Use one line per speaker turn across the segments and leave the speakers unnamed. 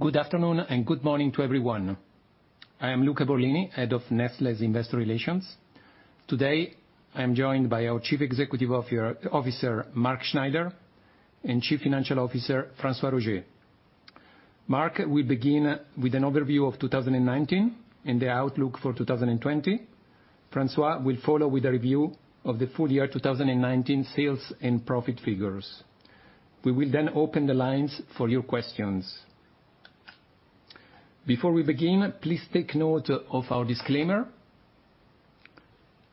Good afternoon and good morning to everyone. I am Luca Borlini, Head of Nestlé's Investor Relations. Today, I'm joined by our Chief Executive Officer, Mark Schneider, and Chief Financial Officer, François Roger. Mark will begin with an overview of 2019 and the outlook for 2020. François will follow with a review of the full year 2019 sales and profit figures. We will open the lines for your questions. Before we begin, please take note of our disclaimer.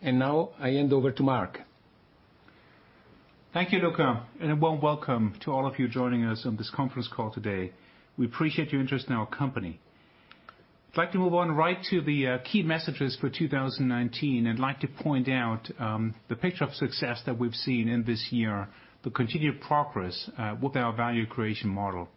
Now I hand over to Mark.
Thank you, Luca, and a warm welcome to all of you joining us on this conference call today. We appreciate your interest in our company. I'd like to move on right to the key messages for 2019, and like to point out the picture of success that we've seen in this year, the continued progress with our Value Creation Model.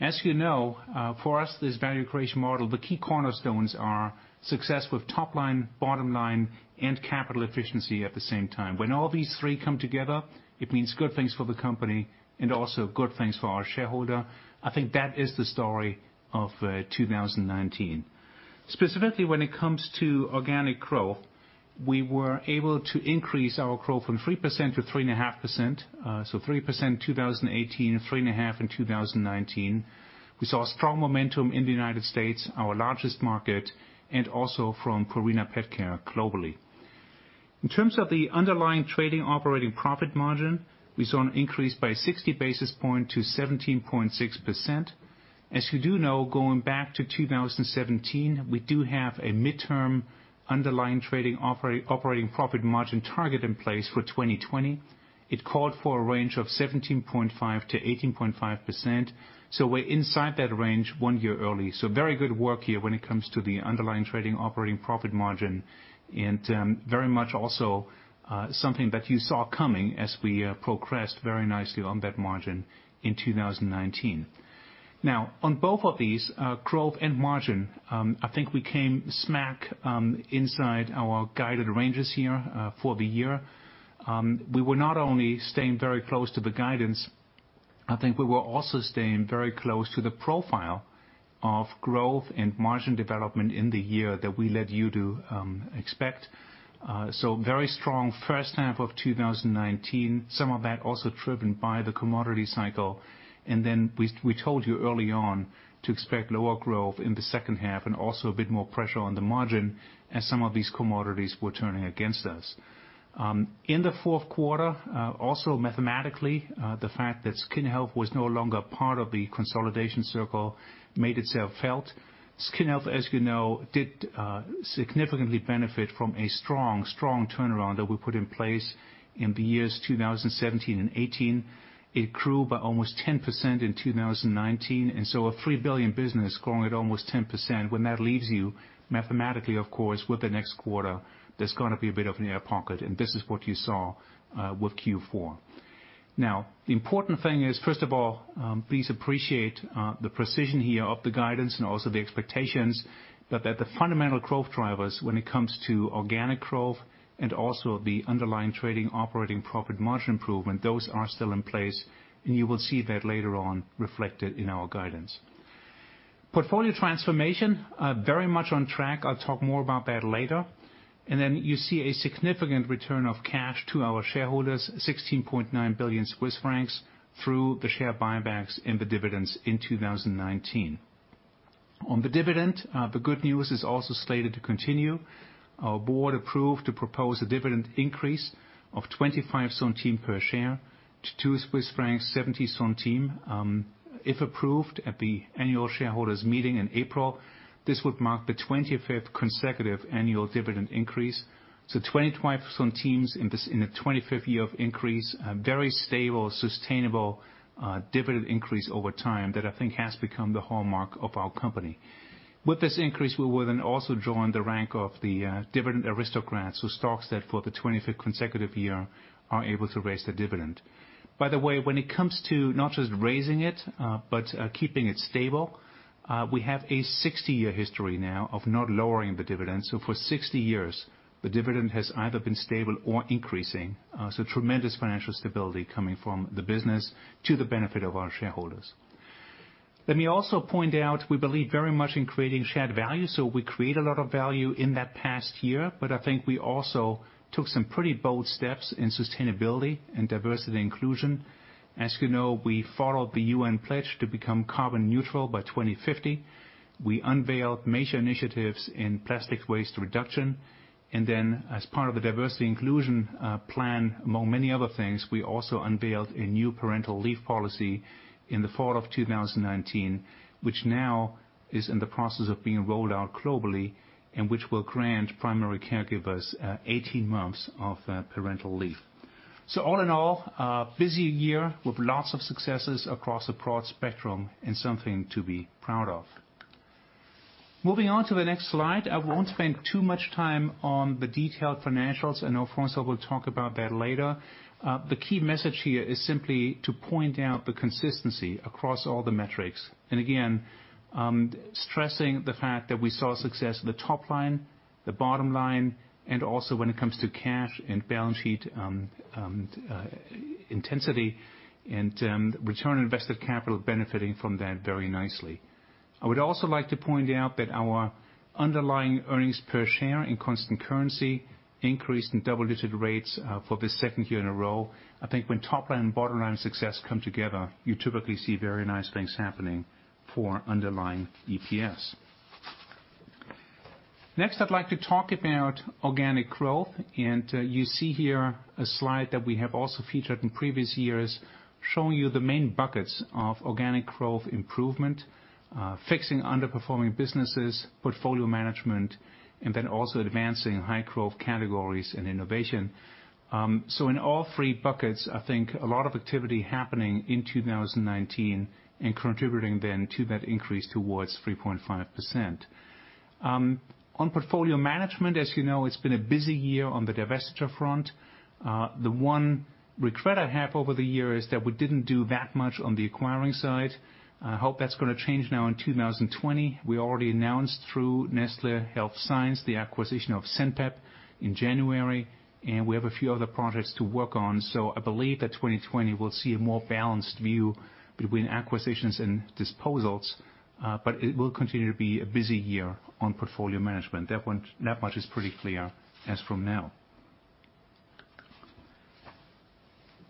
As you know, for us, this Value Creation Model, the key cornerstones are success with top line, bottom line, and capital efficiency at the same time. When all these three come together, it means good things for the company and also good things for our shareholder. I think that is the story of 2019. Specifically, when it comes to organic growth, we were able to increase our growth from 3% to 3.5%, so 3% 2018, 3.5% in 2019. We saw strong momentum in the United States, our largest market, and also from Purina PetCare globally. In terms of the underlying trading operating profit margin, we saw an increase by 60 basis points to 17.6%. As you do know, going back to 2017, we do have a midterm underlying trading operating profit margin target in place for 2020. It called for a range of 17.5%-18.5%. We're inside that range one year early. Very good work here when it comes to the underlying trading operating profit margin, and very much also something that you saw coming as we progressed very nicely on that margin in 2019. Now, on both of these, growth and margin, I think we came smack inside our guided ranges here for the year. We were not only staying very close to the guidance, I think we were also staying very close to the profile of growth and margin development in the year that we led you to expect. Very strong first half of 2019. Some of that also driven by the commodity cycle. We told you early on to expect lower growth in the second half and also a bit more pressure on the margin as some of these commodities were turning against us. In the fourth quarter, also mathematically, the fact that Skin Health was no longer part of the consolidation circle made itself felt. Skin Health, as you know, did significantly benefit from a strong turnaround that we put in place in the years 2017 and 2018. It grew by almost 10% in 2019, and so a 3 billion business growing at almost 10%, when that leaves you, mathematically, of course, with the next quarter, there's going to be a bit of an air pocket, and this is what you saw with Q4. Now, the important thing is, first of all, please appreciate the precision here of the guidance and also the expectations, but that the fundamental growth drivers when it comes to organic growth and also the underlying trading operating profit margin improvement, those are still in place, and you will see that later on reflected in our guidance. Portfolio transformation, very much on track. I'll talk more about that later. You see a significant return of cash to our shareholders, 16.9 billion Swiss francs through the share buybacks and the dividends in 2019. On the dividend, the good news is also slated to continue. Our board approved to propose a dividend increase of 0.25 per share to 2.70. If approved at the Annual Shareholders Meeting in April, this would mark the 25th consecutive annual dividend increase. 0.25 in the 25th year of increase, very stable, sustainable dividend increase over time that I think has become the hallmark of our company. With this increase, we will then also join the rank of the dividend aristocrats, whose stocks that for the 25th consecutive year are able to raise their dividend. By the way, when it comes to not just raising it, but keeping it stable, we have a 60-year history now of not lowering the dividend. For 60 years, the dividend has either been stable or increasing. Tremendous financial stability coming from the business to the benefit of our shareholders. Let me also point out, we believe very much in Creating Shared Value. We create a lot of value in that past year, but I think we also took some pretty bold steps in sustainability and diversity inclusion. As you know, we followed the UN pledge to become carbon neutral by 2050. We unveiled major initiatives in plastic waste reduction, and then as part of the diversity inclusion plan, among many other things, we also unveiled a new parental leave policy in the fall of 2019, which now is in the process of being rolled out globally, and which will grant primary caregivers 18 months of parental leave. All in all, a busy year with lots of successes across a broad spectrum and something to be proud of. Moving on to the next slide. I won't spend too much time on the detailed financials. I know François will talk about that later. The key message here is simply to point out the consistency across all the metrics, and again, stressing the fact that we saw success at the top line, the bottom line, and also when it comes to cash and balance sheet intensity, and return on invested capital benefiting from that very nicely. I would also like to point out that our underlying earnings per share in constant currency increased in double-digit rates for the second year in a row. I think when top line and bottom line success come together, you typically see very nice things happening for underlying EPS. Next, I'd like to talk about organic growth. You see here a slide that we have also featured in previous years, showing you the main buckets of organic growth improvement, fixing underperforming businesses, portfolio management, and also advancing high growth categories and innovation. In all three buckets, I think a lot of activity happening in 2019 and contributing then to that increase towards 3.5%. On portfolio management, as you know, it's been a busy year on the divestiture front. The one regret I have over the year is that we didn't do that much on the acquiring side. I hope that's going to change now in 2020. We already announced through Nestlé Health Science, the acquisition of Zenpep in January, and we have a few other projects to work on. So I believe that 2020 will see a more balanced view between acquisitions and disposals, but it will continue to be a busy year on portfolio management. That much is pretty clear as from now.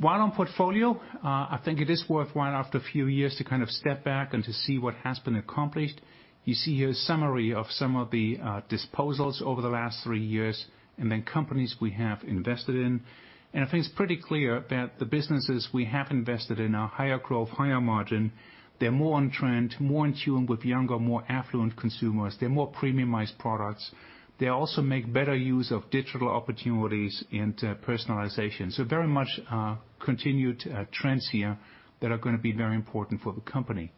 While on portfolio, I think it is worthwhile after a few years to kind of step back and to see what has been accomplished. You see here a summary of some of the disposals over the last three years, and then companies we have invested in. I think it's pretty clear that the businesses we have invested in are higher growth, higher margin. They're more on trend, more in tune with younger, more affluent consumers. They're more premiumized products. They also make better use of digital opportunities and personalization. Very much continued trends here that are going to be very important for the company.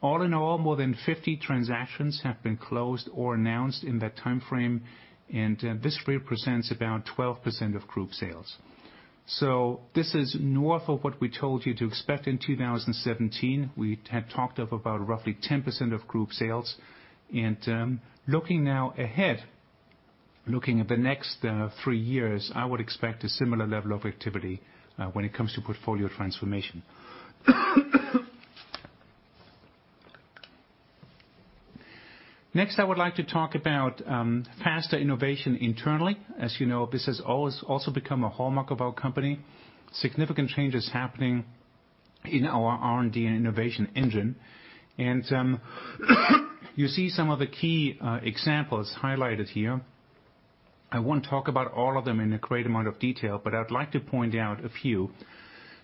All in all, more than 50 transactions have been closed or announced in that time frame, and this represents about 12% of group sales. This is north of what we told you to expect in 2017. We had talked of about roughly 10% of group sales. Looking now ahead, looking at the next three years, I would expect a similar level of activity when it comes to portfolio transformation. Next, I would like to talk about faster innovation internally. As you know, this has also become a hallmark of our company. Significant changes happening in our R&D and innovation engine. You see some of the key examples highlighted here. I won't talk about all of them in a great amount of detail, but I'd like to point out a few.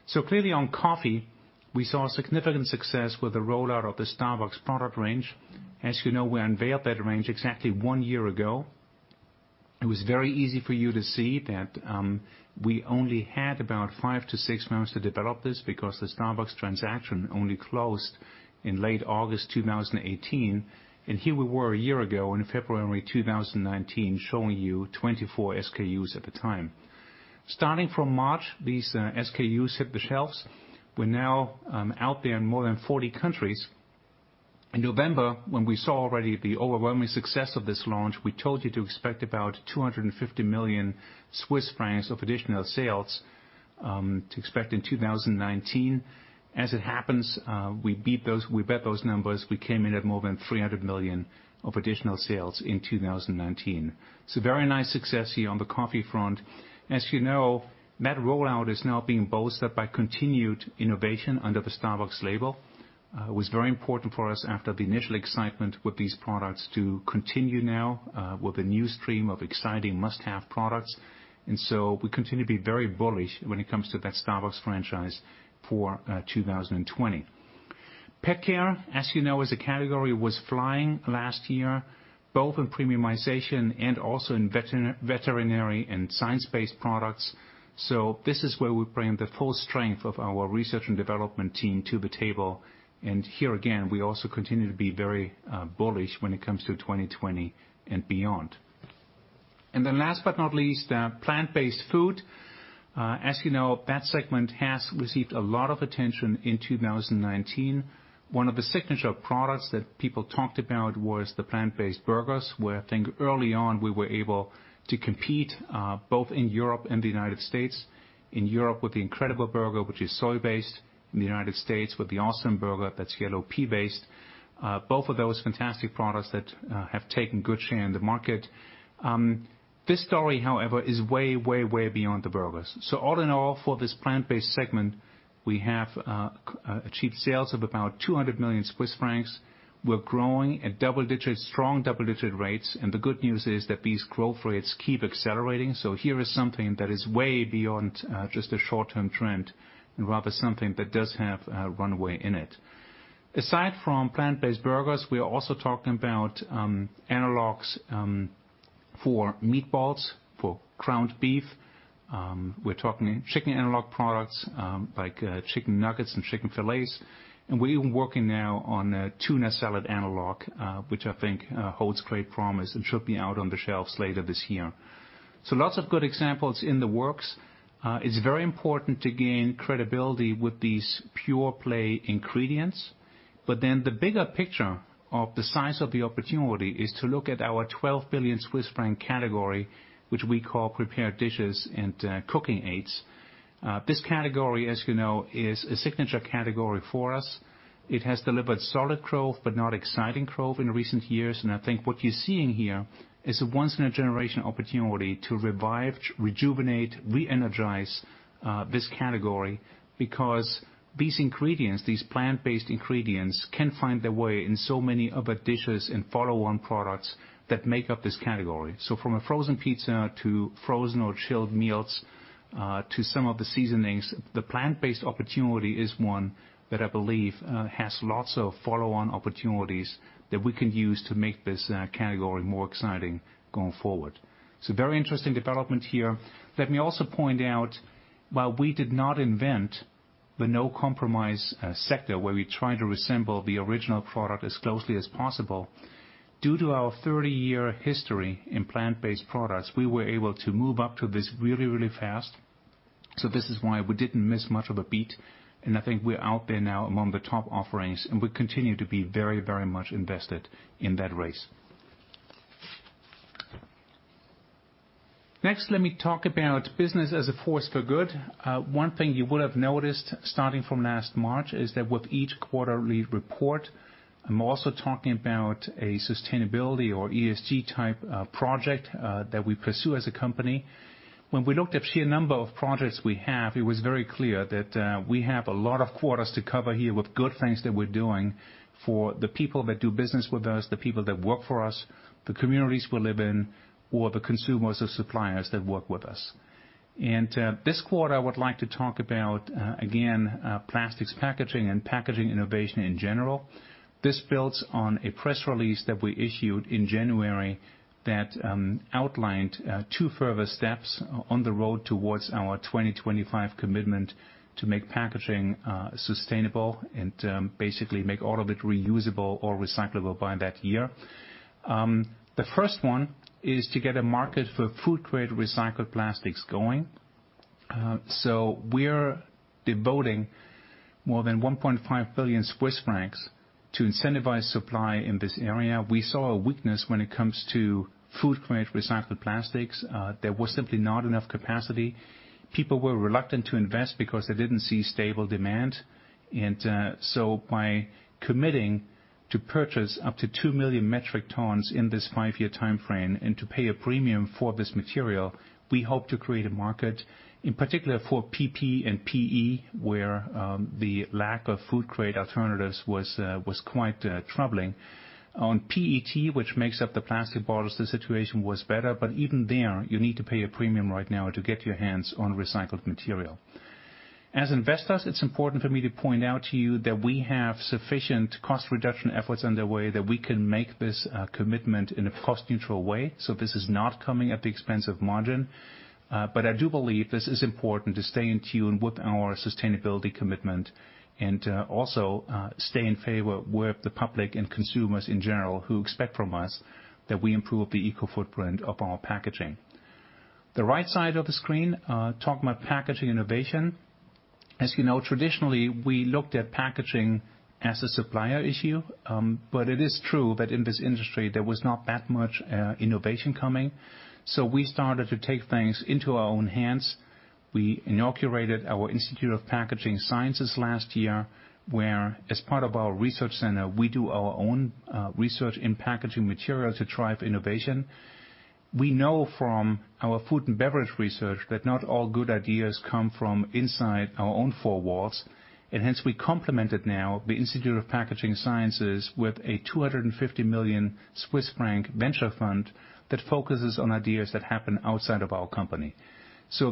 So clearly on Coffee, we saw significant success with the rollout of the Starbucks product range. As you know, we unveiled that range exactly one year ago. It was very easy for you to see that we only had about five to six months to develop this because the Starbucks transaction only closed in late August 2018. Here we were one year ago in February 2019, showing you 24 SKUs at the time. Starting from March, these SKUs hit the shelves. We are now out there in more than 40 countries. In November, when we saw already the overwhelming success of this launch, we told you to expect about 250 million Swiss francs of additional sales in 2019. As it happens, we beat those numbers. We came in at more than 300 million of additional sales in 2019. Very nice success here on the Coffee front. As you know, that rollout is now being bolstered by continued innovation under the Starbucks label. It was very important for us after the initial excitement with these products to continue now with a new stream of exciting must-have products. We continue to be very bullish when it comes to that Starbucks franchise for 2020. PetCare, as you know, as a category, was flying last year, both in premiumization and also in veterinary and science-based products. This is where we bring the full strength of our research and development team to the table. Here again, we also continue to be very bullish when it comes to 2020 and beyond. And then, last but not least, plant-based food. As you know, that segment has received a lot of attention in 2019. One of the signature products that people talked about was the plant-based burgers, where I think early on we were able to compete both in Europe and the United States. In Europe with the Incredible Burger, which is soy-based. In the United States with the Awesome Burger, that's yellow pea-based. Both of those fantastic products that have taken good share in the market. This story, however, is way, way beyond the burgers. All in all, for this plant-based segment, we have achieved sales of about 200 million Swiss francs. We're growing at double digits, strong double-digit rates, and the good news is that these growth rates keep accelerating. Here is something that is way beyond just a short-term trend, and rather something that does have a runway in it. Aside from plant-based burgers, we are also talking about analogs for meatballs, for ground beef. We're talking chicken analog products, like chicken nuggets and chicken filets. We're even working now on a tuna salad analog, which I think holds great promise and should be out on the shelves later this year. Lots of good examples in the works. It's very important to gain credibility with these pure play ingredients. The bigger picture of the size of the opportunity is to look at our 12 billion Swiss franc category, which we call Prepared Dishes and Cooking Aids. This category, as you know, is a signature category for us. It has delivered solid growth, but not exciting growth in recent years. I think what you're seeing here is a once in a generation opportunity to revive, rejuvenate, reenergize this category because these plant-based ingredients can find their way in so many other dishes and follow-on products that make up this category. From a frozen pizza to frozen or chilled meals, to some of the seasonings, the plant-based opportunity is one that I believe has lots of follow-on opportunities that we can use to make this category more exciting going forward. Very interesting development here. Let me also point out, while we did not invent the no compromise sector where we try to resemble the original product as closely as possible, due to our 30-year history in plant-based products, we were able to move up to this really fast. This is why we didn't miss much of a beat, and I think we're out there now among the top offerings, and we continue to be very much invested in that race. Next, let me talk about business as a force for good. One thing you would have noticed starting from last March is that with each quarterly report, I'm also talking about a sustainability or ESG type project that we pursue as a company. When we looked at sheer number of projects we have, it was very clear that we have a lot of quarters to cover here with good things that we're doing for the people that do business with us, the people that work for us, the communities we live in, or the consumers or suppliers that work with us. And this quarter, I would like to talk about, again, plastics packaging and packaging innovation in general. This builds on a press release that we issued in January that outlined two further steps on the road towards our 2025 commitment to make packaging sustainable and basically make all of it reusable or recyclable by that year. The first one is to get a market for food-grade recycled plastics going. We're devoting more than 1.5 billion Swiss francs to incentivize supply in this area. We saw a weakness when it comes to food-grade recycled plastics. There was simply not enough capacity. People were reluctant to invest because they didn't see stable demand. By committing to purchase up to 2 million metric tons in this five-year timeframe, and to pay a premium for this material, we hope to create a market, in particular, for PP and PE, where the lack of food grade alternatives was quite troubling. On PET, which makes up the plastic bottles, the situation was better, but even there, you need to pay a premium right now to get your hands on recycled material. As investors, it's important for me to point out to you that we have sufficient cost reduction efforts underway that we can make this commitment in a cost neutral way. This is not coming at the expense of margin. I do believe this is important to stay in tune with our sustainability commitment, and also, stay in favor with the public and consumers in general, who expect from us that we improve the eco footprint of our packaging. The right side of the screen talk about packaging innovation. As you know, traditionally, we looked at packaging as a supplier issue. It is true that in this industry, there was not that much innovation coming. We started to take things into our own hands. We inaugurated our Institute of Packaging Sciences last year, where, as part of our research center, we do our own research in packaging material to drive innovation. We know from our food and beverage research that not all good ideas come from inside our own four walls, and hence we complemented now the Institute of Packaging Sciences with a 250 million Swiss franc venture fund that focuses on ideas that happen outside of our company.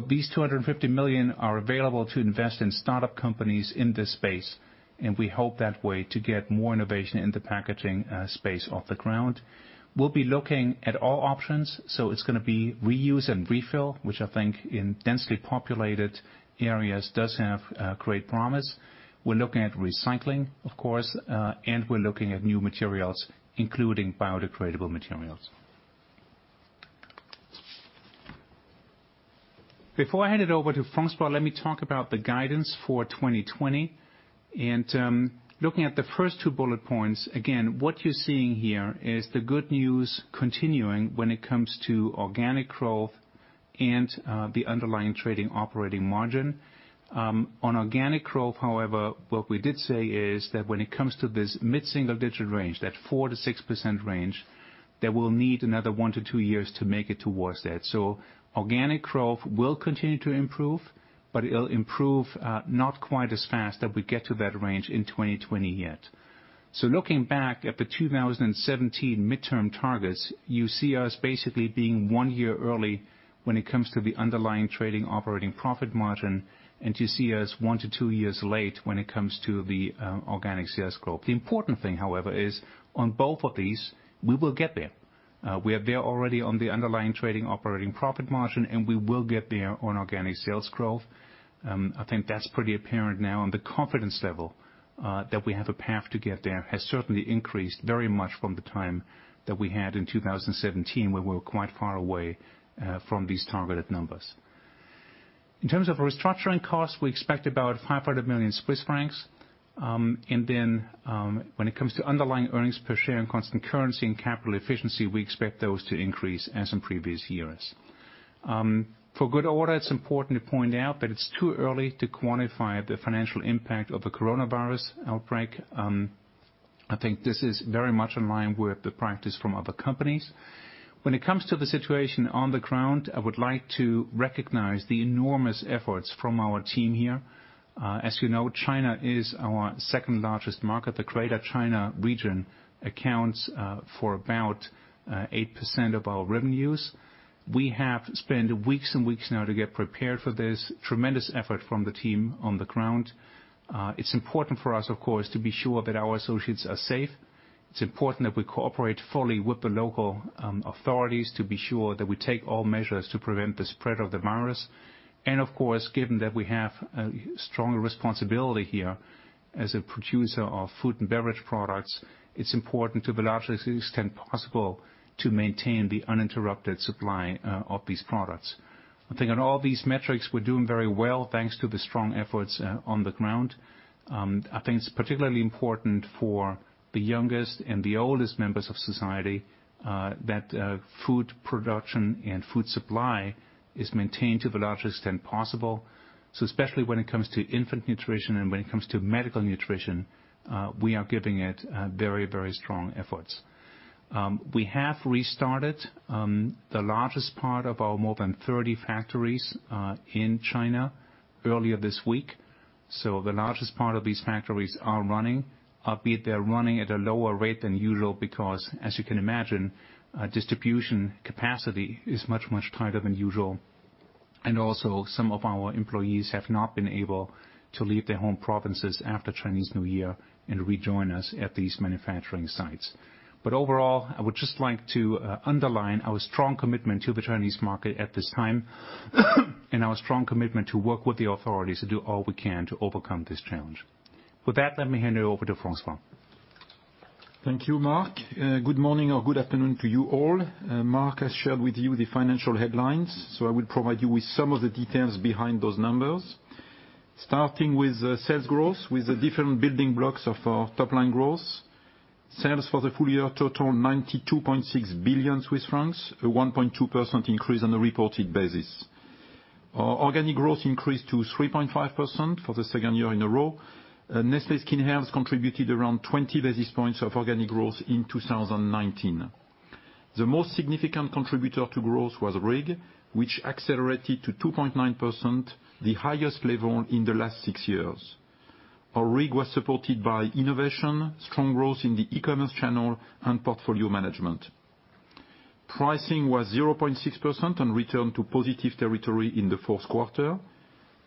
These 250 million are available to invest in startup companies in this space, and we hope that way to get more innovation in the packaging space off the ground. We'll be looking at all options. It's going to be reuse and refill, which I think in densely populated areas does have great promise. We're looking at recycling, of course, and we're looking at new materials, including biodegradable materials. Before I hand it over to François, let me talk about the guidance for 2020. Looking at the first two bullet points, again, what you're seeing here is the good news continuing when it comes to organic growth and the underlying trading operating margin. On organic growth, however, what we did say is that when it comes to this mid-single digit range, that 4%-6% range, that we'll need another one to two years to make it towards that. Organic growth will continue to improve, but it'll improve not quite as fast that we get to that range in 2020 yet. Looking back at the 2017 midterm targets, you see us basically being one year early when it comes to the underlying trading operating profit margin, and you see us one to two years late when it comes to the organic sales growth. The important thing, however, is on both of these, we will get there. We are there already on the underlying trading operating profit margin, and we will get there on organic sales growth. I think that's pretty apparent now on the confidence level that we have a path to get there has certainly increased very much from the time that we had in 2017, where we were quite far away from these targeted numbers. In terms of restructuring costs, we expect about 500 million Swiss francs. When it comes to underlying EPS and constant currency and capital efficiency, we expect those to increase as in previous years. For good order, it's important to point out that it's too early to quantify the financial impact of the Coronavirus outbreak. I think this is very much in line with the practice from other companies. When it comes to the situation on the ground, I would like to recognize the enormous efforts from our team here. As you know, China is our second-largest market. The Greater China region accounts for about 8% of our revenues. We have spent weeks and weeks now to get prepared for this, tremendous effort from the team on the ground. It's important for us, of course, to be sure that our associates are safe. It's important that we cooperate fully with the local authorities to be sure that we take all measures to prevent the spread of the virus. Of course, given that we have a strong responsibility here as a producer of food and beverage products, it's important to the largest extent possible to maintain the uninterrupted supply of these products. I think on all these metrics, we're doing very well, thanks to the strong efforts on the ground. I think it's particularly important for the youngest and the oldest members of society that food production and food supply is maintained to the largest extent possible. Especially when it comes to infant nutrition and when it comes to medical nutrition, we are giving it very strong efforts. We have restarted the largest part of our more than 30 factories in China earlier this week. The largest part of these factories are running, albeit they're running at a lower rate than usual because, as you can imagine, distribution capacity is much tighter than usual. Some of our employees have not been able to leave their home provinces after Chinese New Year and rejoin us at these manufacturing sites. Overall, I would just like to underline our strong commitment to the Chinese market at this time and our strong commitment to work with the authorities to do all we can to overcome this challenge. With that, let me hand it over to François.
Thank you, Mark. Good morning or good afternoon to you all. And Mark has shared with you the financial headlines, I will provide you with some of the details behind those numbers. Starting with sales growth with the different building blocks of our top-line growth. Sales for the full year totaled 92.6 billion Swiss francs, a 1.2% increase on a reported basis. Our organic growth increased to 3.5% for the second year in a row. Nestlé Skin Health contributed around 20 basis points of organic growth in 2019. The most significant contributor to growth was RIG, which accelerated to 2.9%, the highest level in the last six years. Our RIG was supported by innovation, strong growth in the e-commerce channel, and portfolio management. Pricing was 0.6% on return to positive territory in the fourth quarter.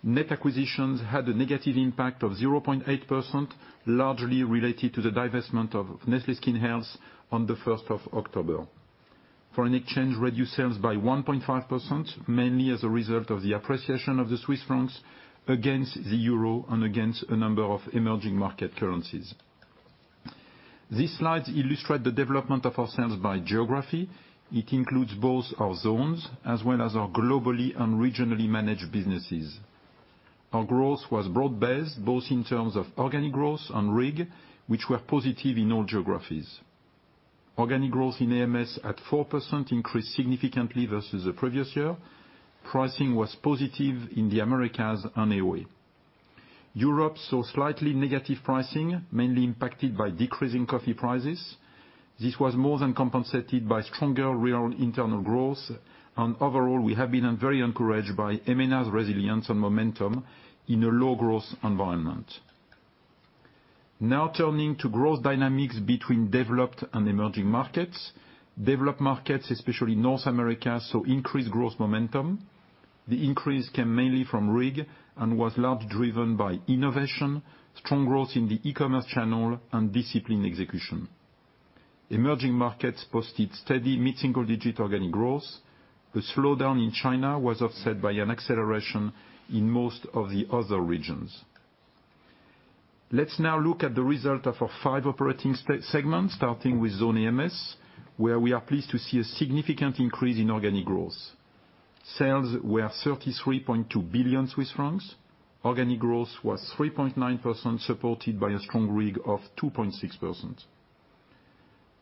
Net acquisitions had a negative impact of 0.8%, largely related to the divestment of Nestlé Skin Health on the 1st of October. Foreign exchange reduced sales by 1.5%, mainly as a result of the appreciation of the Swiss francs against the euro and against a number of emerging market currencies. These slides illustrate the development of our sales by geography. It includes both our zones as well as our globally and regionally managed businesses. Our growth was broad-based, both in terms of organic growth and RIG, which were positive in all geographies. Organic growth in AMS at 4% increased significantly versus the previous year. Pricing was positive in the Americas and AOA. Europe saw slightly negative pricing, mainly impacted by decreasing coffee prices. This was more than compensated by stronger real internal growth, and overall, we have been very encouraged by EMENA's resilience and momentum in a low-growth environment. Turning to growth dynamics between developed and emerging markets. Developed markets, especially North America, saw increased growth momentum. The increase came mainly from RIG and was largely driven by innovation, strong growth in the e-commerce channel, and disciplined execution. Emerging markets posted steady mid-single-digit organic growth. The slowdown in China was offset by an acceleration in most of the other regions. Let's look at the result of our five operating segments, starting with zone AMS, where we are pleased to see a significant increase in organic growth. Sales were 33.2 billion Swiss francs. Organic growth was 3.9%, supported by a strong RIG of 2.6%.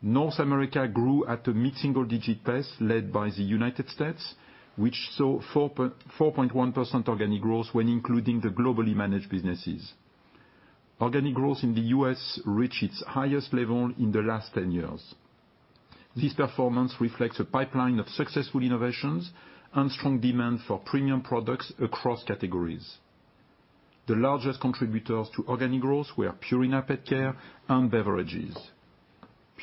North America grew at a mid-single-digit pace, led by the United States, which saw 4.1% organic growth when including the globally managed businesses. Organic growth in the U.S. reached its highest level in the last 10 years. This performance reflects a pipeline of successful innovations and strong demand for premium products across categories. The largest contributors to organic growth were Purina PetCare and beverages.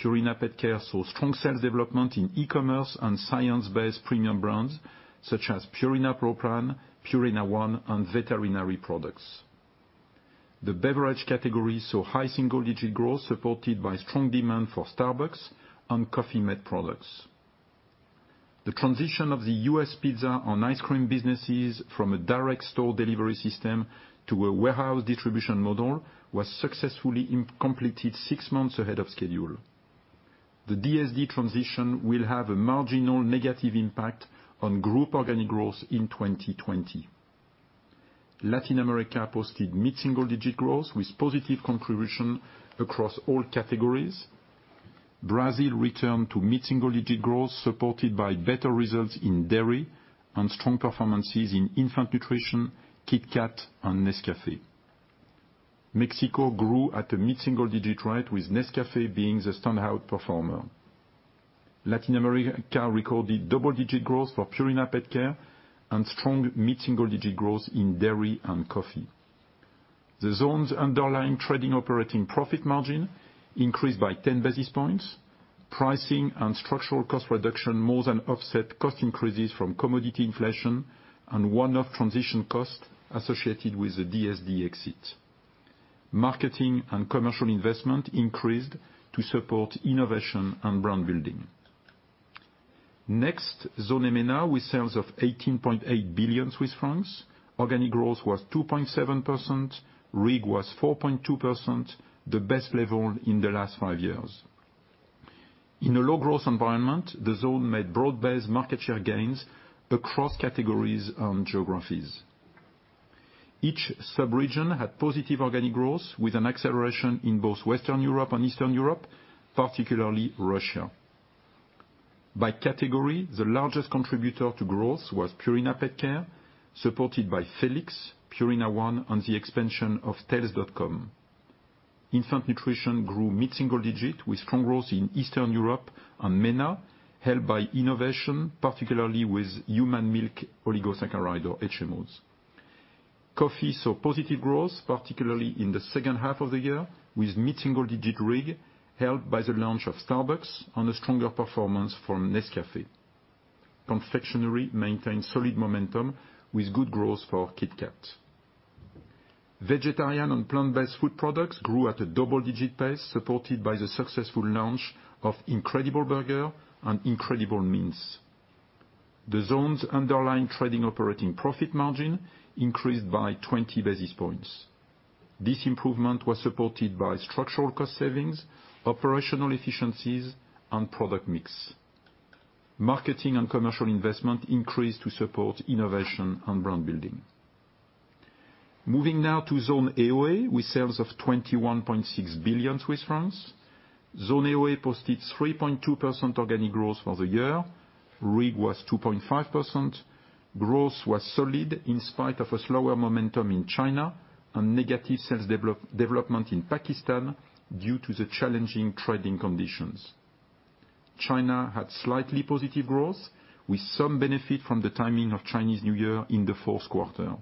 Purina PetCare saw strong sales development in e-commerce and science-based premium brands such as Purina Pro Plan, Purina ONE, and veterinary products. The beverage category saw high single-digit growth supported by strong demand for Starbucks and Coffee-mate products. The transition of the U.S. pizza and ice cream businesses from a direct-store-delivery system to a warehouse distribution model was successfully completed six months ahead of schedule. The DSD transition will have a marginal negative impact on group organic growth in 2020. Latin America posted mid-single digit growth with positive contribution across all categories. Brazil returned to mid-single digit growth supported by better results in Dairy and strong performances in infant nutrition, KitKat, and Nescafé. Mexico grew at a mid-single digit rate, with Nescafé being the standout performer. Latin America recorded double-digit growth for Purina PetCare and strong mid-single digit growth in Dairy and Coffee. The zone's underlying trading operating profit margin increased by 10 basis points. Pricing and structural cost reduction more than offset cost increases from commodity inflation and one-off transition costs associated with the DSD exit. Marketing and commercial investment increased to support innovation and brand building. Next, Zone EMENA, with sales of 18.8 billion Swiss francs. Organic growth was 2.7%, RIG was 4.2%, the best level in the last five years. In a low-growth environment, the zone made broad-based market share gains across categories and geographies. Each sub-region had positive organic growth with an acceleration in both Western Europe and Eastern Europe, particularly Russia. By category, the largest contributor to growth was Purina PetCare, supported by Felix, Purina ONE, and the expansion of tails.com. Infant nutrition grew mid-single digit with strong growth in Eastern Europe and MENA, helped by innovation, particularly with human milk oligosaccharide or HMOs. Coffee saw positive growth, particularly in the second half of the year, with mid-single digit RIG, helped by the launch of Starbucks and a stronger performance from Nescafé. Confectionery maintained solid momentum with good growth for KitKat. Vegetarian and plant-based food products grew at a double-digit pace, supported by the successful launch of Incredible Burger and Incredible Mince. The zone's underlying trading operating profit margin increased by 20 basis points. This improvement was supported by structural cost savings, operational efficiencies, and product mix. Marketing and commercial investment increased to support innovation and brand building. Moving now to Zone AOA, with sales of 21.6 billion Swiss francs. Zone AOA posted 3.2% organic growth for the year. RIG was 2.5%. Growth was solid in spite of a slower momentum in China and negative sales development in Pakistan due to the challenging trading conditions. China had slightly positive growth, with some benefit from the timing of Chinese New Year in the fourth quarter.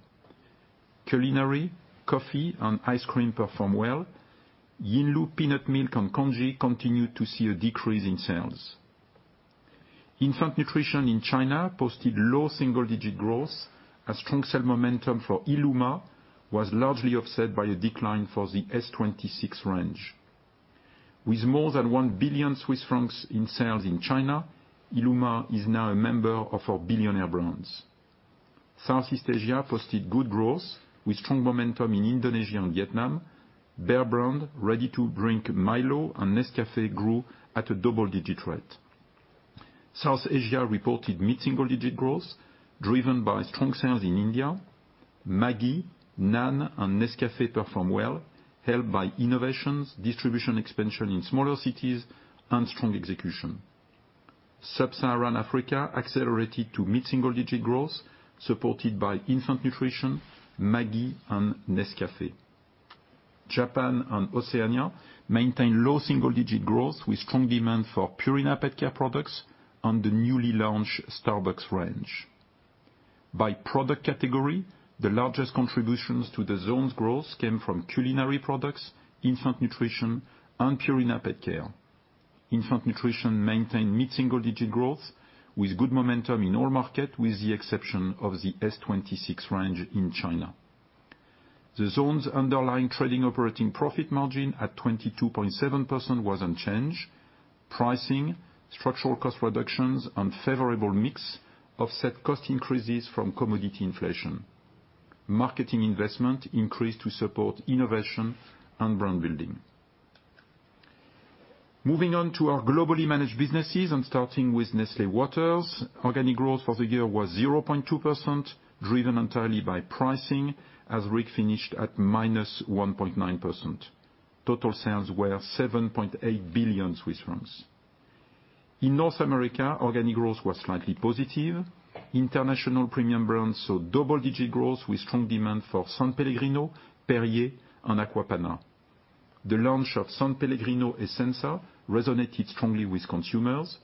Culinary, Coffee, and Ice cream performed well. Yinlu Peanut Milk and Congee continued to see a decrease in sales. Infant nutrition in China posted low double-digit growth as strong sale momentum for illuma was largely offset by a decline for the S-26 range. With more than 1 billion Swiss francs in sales in China, illuma is now a member of our billionaire brands. Southeast Asia posted good growth with strong momentum in Indonesia and Vietnam. Bear Brand, ready-to-drink Milo, and Nescafé grew at a double-digit rate. South Asia reported mid-single digit growth driven by strong sales in India. Maggi, NAN, and Nescafé performed well, helped by innovations, distribution expansion in smaller cities, and strong execution. Sub-Saharan Africa accelerated to mid-single digit growth supported by infant nutrition, Maggi, and Nescafé. Japan and Oceania maintained low single-digit growth with strong demand for Purina PetCare products and the newly launched Starbucks range. By product category, the largest contributions to the zone's growth came from culinary products, infant nutrition, and Purina PetCare. Infant nutrition maintained mid-single digit growth with good momentum in all markets, with the exception of the S-26 range in China. The zone's underlying trading operating profit margin at 22.7% was unchanged. Pricing, structural cost reductions, and favorable mix offset cost increases from commodity inflation. Marketing investment increased to support innovation and brand building. Moving on to our globally managed businesses and starting with Nestlé Waters. Organic growth for the year was 0.2%, driven entirely by pricing, as RIG finished at -1.9%. Total sales were 7.8 billion Swiss francs. In North America, organic growth was slightly positive. International premium brands saw double-digit growth with strong demand for S.Pellegrino, Perrier, and Acqua Panna. The launch of S.Pellegrino Essenza resonated strongly with consumers.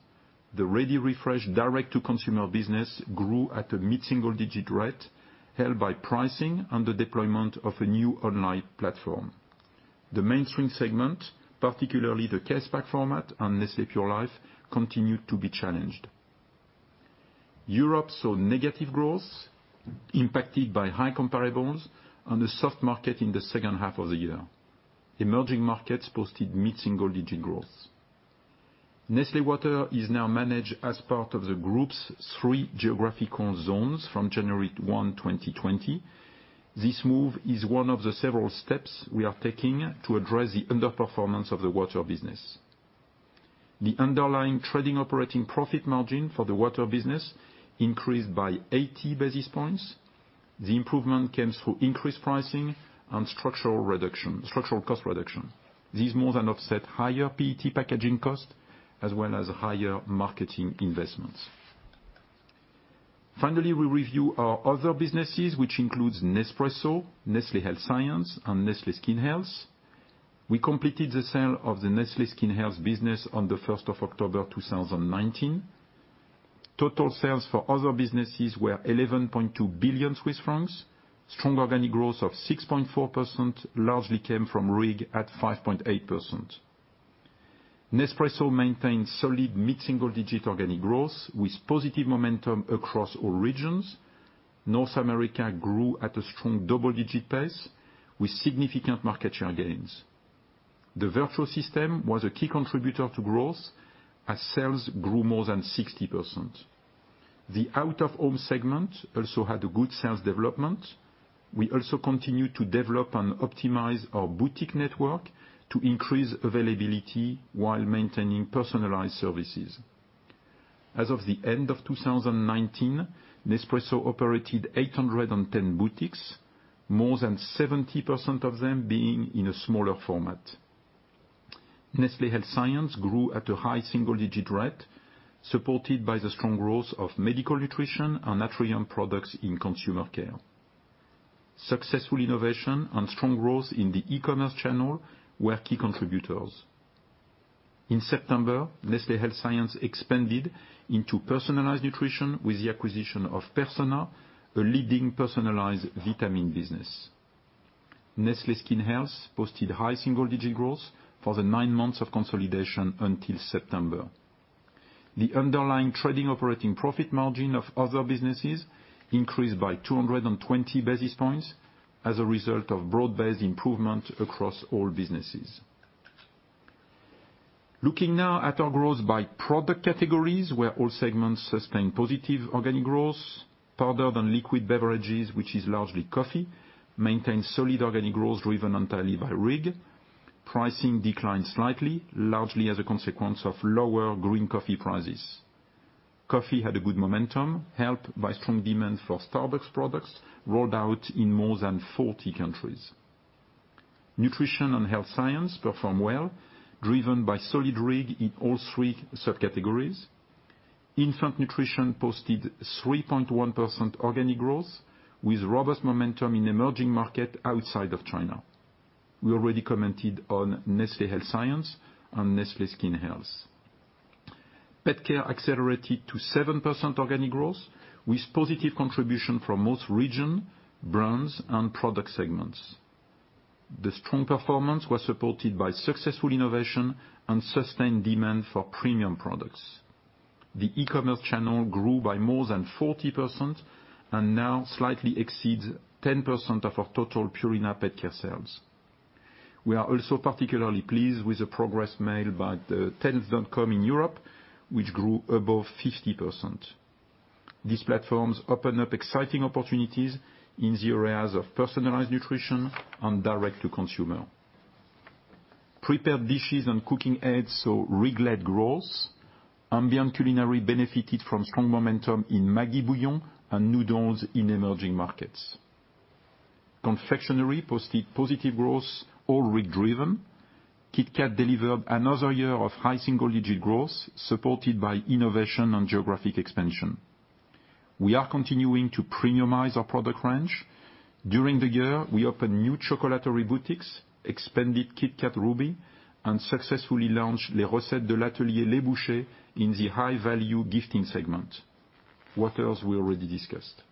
The ReadyRefresh direct-to-consumer business grew at a mid-single digit rate, helped by pricing and the deployment of a new online platform. The Mainstream segment, particularly the case pack format and Nestlé Pure Life, continued to be challenged. Europe saw negative growth impacted by high comparables and a soft market in the second half of the year. Emerging markets posted mid-single digit growth. Nestlé Waters is now managed as part of the group's three geographical zones from January 1, 2020. This move is one of the several steps we are taking to address the underperformance of the water business. The underlying trading operating profit margin for the water business increased by 80 basis points. The improvement came through increased pricing and structural cost reduction. This more than offset higher PET packaging cost as well as higher marketing investments. Finally, we review our other businesses which includes Nespresso, Nestlé Health Science, and Nestlé Skin Health. We completed the sale of the Nestlé Skin Health business on the 1st of October 2019. Total sales for other businesses were 11.2 billion Swiss francs. Strong organic growth of 6.4% largely came from RIG at 5.8%. Nespresso maintained solid mid-single digit organic growth with positive momentum across all regions. North America grew at a strong double-digit pace with significant market share gains. The Vertuo system was a key contributor to growth as sales grew more than 60%. The out-of-home segment also had a good sales development. We also continue to develop and optimize our boutique network to increase availability while maintaining personalized services. As of the end of 2019, Nespresso operated 810 boutiques, more than 70% of them being in a smaller format. Nestlé Health Science grew at a high single-digit rate, supported by the strong growth of medical nutrition and Atrium products in consumer care. Successful innovation and strong growth in the e-commerce channel were key contributors. In September, Nestlé Health Science expanded into personalized nutrition with the acquisition of Persona, a leading personalized vitamin business. Nestlé Skin Health posted high single-digit growth for the nine months of consolidation until September. The underlying trading operating profit margin of other businesses increased by 220 basis points as a result of broad-based improvement across all businesses. Looking now at our growth by product categories where all segments sustained positive organic growth. Powdered & Liquid Beverages, which is largely coffee, maintained solid organic growth driven entirely by RIG. Pricing declined slightly, largely as a consequence of lower green coffee prices. Coffee had a good momentum, helped by strong demand for Starbucks products rolled out in more than 40 countries. Nutrition and health science performed well, driven by solid RIG in all three subcategories. Infant nutrition posted 3.1% organic growth with robust momentum in emerging market outside of China. We already commented on Nestlé Health Science and Nestlé Skin Health. PetCare accelerated to 7% organic growth with positive contribution from most region, brands, and product segments. The strong performance was supported by successful innovation and sustained demand for premium products. The e-commerce channel grew by more than 40% and now slightly exceeds 10% of our total Purina PetCare sales. We are also particularly pleased with the progress made by the tails.com in Europe, which grew above 50%. These platforms open up exciting opportunities in the areas of personalized nutrition and direct to consumer. Prepared Dishes and Cooking Aids saw RIG-led growth. Ambient culinary benefited from strong momentum in Maggi bouillon and noodles in emerging markets. Confectionery posted positive growth, all RIG driven. KitKat delivered another year of high single-digit growth supported by innovation and geographic expansion. We are continuing to premiumize our product range. During the year, we opened new chocolaterie boutiques, expanded KitKat Ruby, and successfully launched Les Recettes de L'Atelier Les Bouchées in the high-value gifting segment. Waters, we already discussed.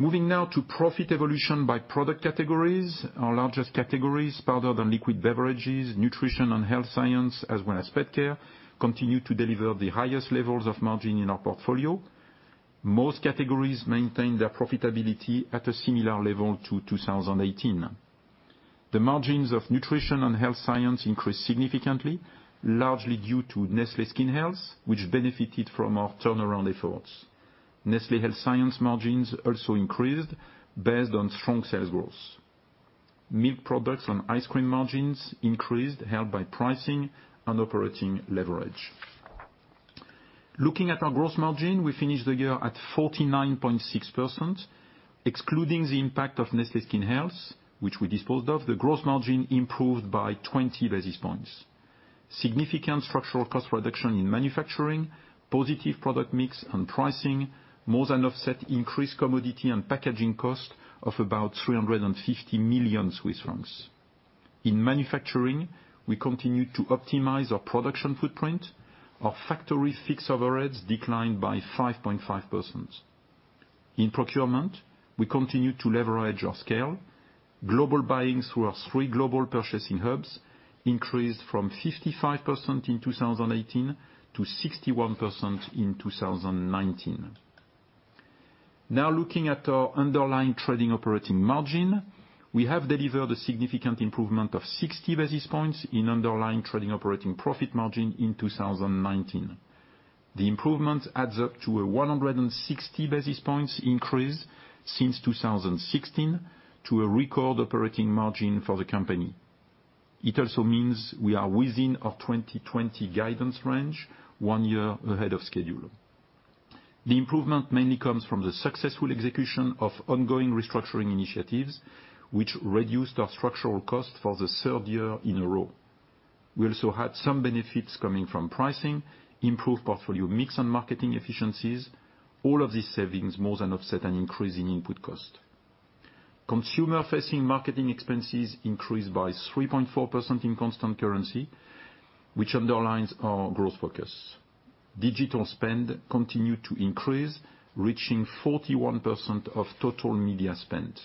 Moving now to profit evolution by product categories. Our largest categories, Powdered & Liquid Beverages, Nutrition & Health Science, as well as PetCare, continue to deliver the highest levels of margin in our portfolio. Most categories maintain their profitability at a similar level to 2018. The margins of Nutrition & Health Science increased significantly, largely due to Nestlé Skin Health, which benefited from our turnaround efforts. Nestlé Health Science margins also increased based on strong sales growth. Milk products and ice cream margins increased, helped by pricing and operating leverage. Looking at our gross margin, we finished the year at 49.6%, excluding the impact of Nestlé Skin Health, which we disposed of, the gross margin improved by 20 basis points. Significant structural cost reduction in manufacturing, positive product mix and pricing, more than offset increased commodity and packaging cost of about 350 million Swiss francs. In manufacturing, we continued to optimize our production footprint. Our factory fixed overheads declined by 5.5%. In procurement, we continue to leverage our scale. Global buying through our three global purchasing hubs increased from 55% in 2018 to 61% in 2019. Now looking at our underlying trading operating margin. We have delivered a significant improvement of 60 basis points in underlying trading operating profit margin in 2019. The improvement adds up to a 160 basis points increase since 2016 to a record operating margin for the company. It also means we are within our 2020 guidance range one year ahead of schedule. The improvement mainly comes from the successful execution of ongoing restructuring initiatives, which reduced our structural cost for the third year in a row. We also had some benefits coming from pricing, improved portfolio mix, and marketing efficiencies. All of these savings more than offset an increase in input cost. Consumer-facing marketing expenses increased by 3.4% in constant currency, which underlines our growth focus. Digital spend continued to increase, reaching 41% of total media spend.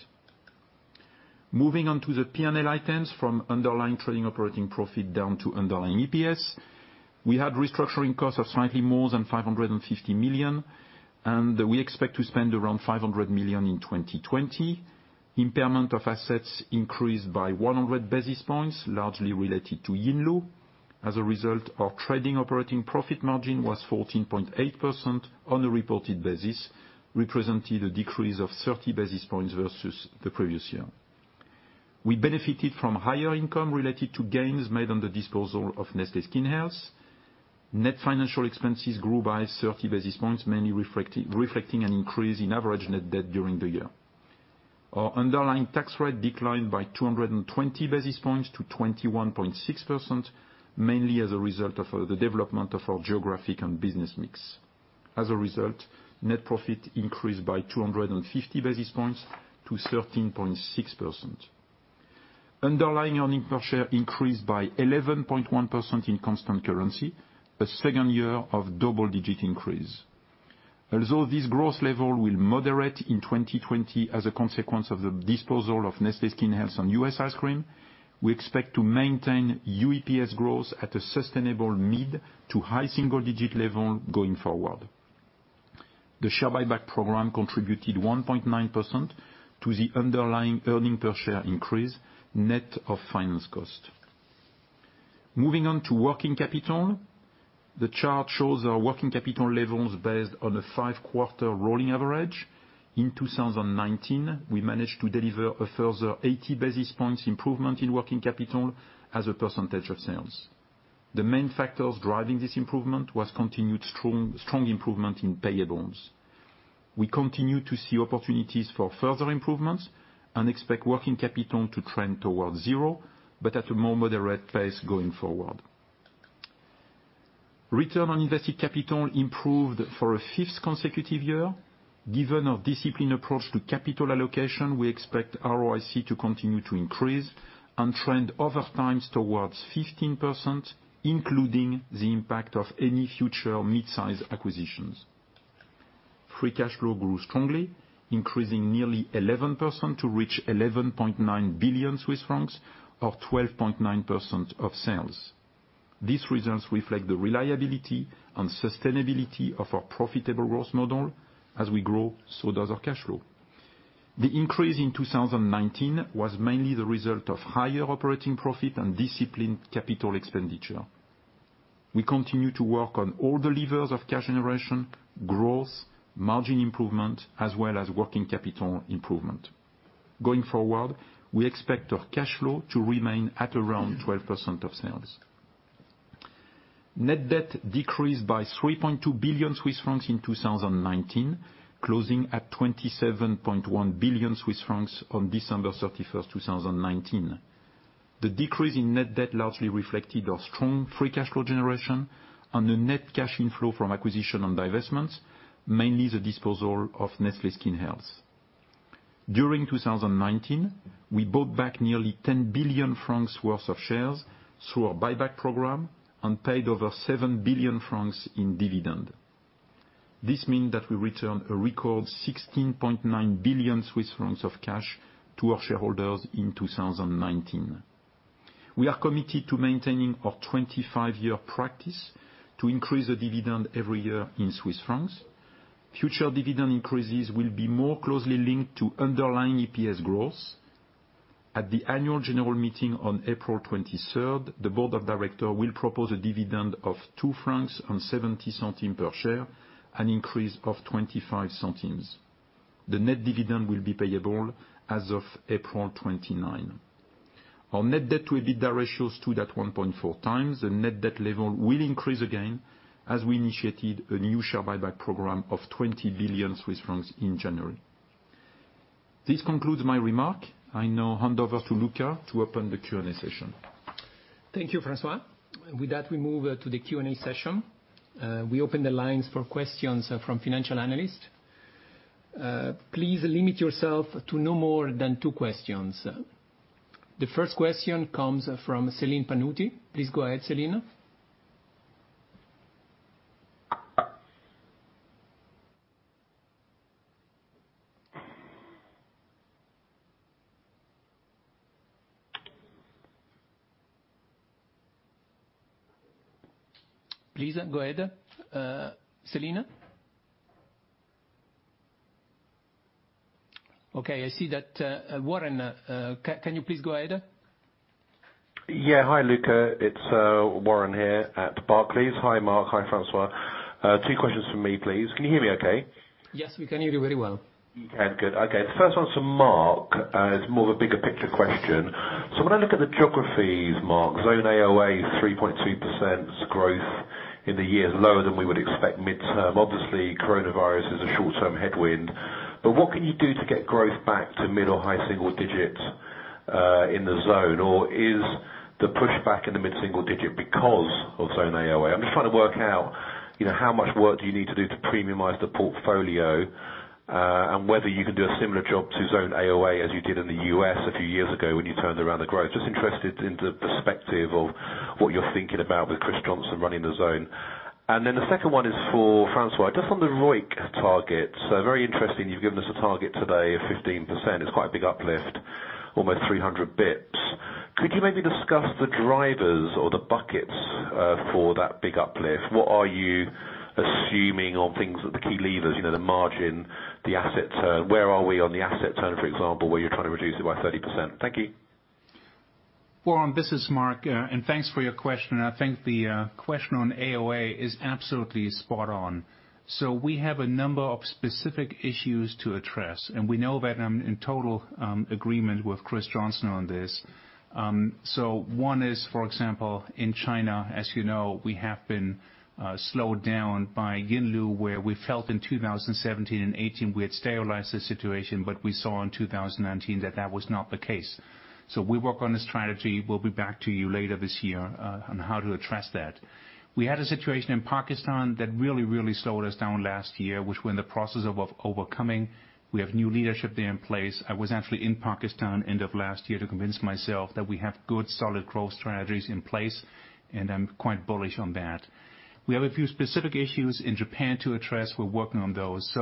Moving on to the P&L items from underlying trading operating profit down to underlying EPS. We had restructuring costs of slightly more than 550 million. And we expect to spend around 500 million in 2020. Impairment of assets increased by 100 basis points, largely related to Yinlu. As a result, our trading operating profit margin was 14.8% on a reported basis, representing a decrease of 30 basis points versus the previous year. We benefited from higher income related to gains made on the disposal of Nestlé Skin Health. Net financial expenses grew by 30 basis points, mainly reflecting an increase in average net debt during the year. Our underlying tax rate declined by 220 basis points to 21.6%, mainly as a result of the development of our geographic and business mix. As a result, net profit increased by 250 basis points to 13.6%. Underlying earnings per share increased by 11.1% in constant currency, a second year of double-digit increase. Although this growth level will moderate in 2020 as a consequence of the disposal of Nestlé Skin Health and U.S. Ice cream, we expect to maintain UEPS growth at a sustainable mid to high single-digit level going forward. The share buyback program contributed 1.9% to the underlying earnings per share increase net of finance cost. Moving on to working capital. The chart shows our working capital levels based on a five-quarter rolling average. In 2019, we managed to deliver a further 80 basis points improvement in working capital as a percentage of sales. The main factors driving this improvement was continued strong improvement in payables. We continue to see opportunities for further improvements and expect working capital to trend towards zero, but at a more moderate pace going forward. Return on invested capital improved for a fifth consecutive year. Given our disciplined approach to capital allocation, we expect ROIC to continue to increase and trend over time towards 15%, including the impact of any future mid-size acquisitions. Free cash flow grew strongly, increasing nearly 11% to reach 11.9 billion Swiss francs or 12.9% of sales. These results reflect the reliability and sustainability of our profitable growth model. As we grow, so does our cash flow. The increase in 2019 was mainly the result of higher operating profit and disciplined capital expenditure. We continue to work on all the levers of cash generation, growth, margin improvement, as well as working capital improvement. Going forward, we expect our cash flow to remain at around 12% of sales. Net debt decreased by 3.2 billion Swiss francs in 2019, closing at 27.1 billion Swiss francs on December 31st 2019. The decrease in net debt largely reflected our strong free cash flow generation and a net cash inflow from acquisition and divestments, mainly the disposal of Nestlé Skin Health. During 2019, we bought back nearly 10 billion francs worth of shares through our buyback program and paid over 7 billion francs in dividend. This means that we returned a record 16.9 billion Swiss francs of cash to our shareholders in 2019. We are committed to maintaining our 25-year practice to increase the dividend every year in Swiss francs. Future dividend increases will be more closely linked to underlying EPS growth. At the Annual General Meeting on April 23rd, the Board of Director will propose a dividend of 2.70 francs per share, an increase of 0.25. The net dividend will be payable as of April 29. Our net debt to EBITDA ratios stood at 1.4x, and net debt level will increase again as we initiated a new share buyback program of 20 billion Swiss francs in January. This concludes my remark. I now hand over to Luca to open the Q&A session.
Thank you, François. With that, we move to the Q&A session. We open the lines for questions from financial analysts. Please limit yourself to no more than two questions. The first question comes from Celine Pannuti. Please go ahead, Celine. Please go ahead, Celine. Okay, I see that, Warren, can you please go ahead?
Yeah. Hi Luca, it's Warren here at Barclays. Hi Mark. Hi François. Two questions from me, please. Can you hear me okay?
Yes, we can hear you very well.
Okay, good. The first one's for Mark. It's more of a bigger picture question. When I look at the geographies, Mark, Zone AOA is 3.2% growth in the year, lower than we would expect midterm. Obviously, coronavirus is a short-term headwind. What can you do to get growth back to mid or high single digits in the Zone? Is the pushback in the mid single digit because of Zone AOA? I'm just trying to work out how much work do you need to do to premiumize the portfolio and whether you can do a similar job to Zone AOA as you did in the U.S. a few years ago when you turned around the growth. Just interested in the perspective of what you're thinking about with Chris Johnson running the Zone. And then, the second one is for François. Just on the ROIC target. Very interesting you've given us a target today of 15%. It's quite a big uplift, almost 300 basis points. Could you maybe discuss the drivers or the buckets for that big uplift? What are you assuming on things that the key levers, the margin, the asset turn? Where are we on the asset turn, for example, where you're trying to reduce it by 30%? Thank you.
Warren, this is Mark. Thanks for your question. I think the question on AOA is absolutely spot on. We have a number of specific issues to address, and we know that I'm in total agreement with Chris Johnson on this. One is, for example, in China, as you know, we have been slowed down by Yinlu, where we felt in 2017 and 2018, we had stabilized the situation, but we saw in 2019 that that was not the case. We work on a strategy. We'll be back to you later this year on how to address that. We had a situation in Pakistan that really slowed us down last year, which we're in the process of overcoming. We have new leadership there in place. I was actually in Pakistan end of last year to convince myself that we have good, solid growth strategies in place. I'm quite bullish on that. We have a few specific issues in Japan to address. We're working on those.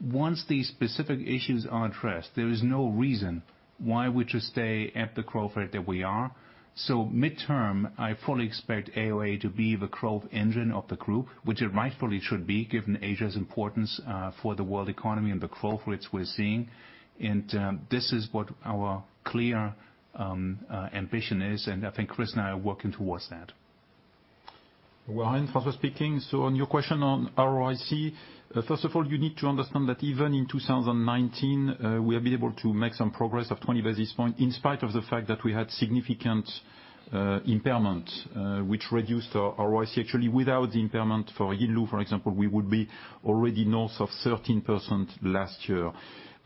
Once these specific issues are addressed, there is no reason why we should stay at the growth rate that we are. Midterm, I fully expect AOA to be the growth engine of the group, which it rightfully should be, given Asia's importance for the world economy and the growth rates we're seeing. This is what our clear ambition is, and I think Chris and I are working towards that.
Warren, François speaking. On your question on ROIC, first of all, you need to understand that even in 2019, we have been able to make some progress of 20 basis points in spite of the fact that we had significant impairment, which reduced our ROIC. Actually, without the impairment for Yinlu, for example, we would be already north of 13% last year.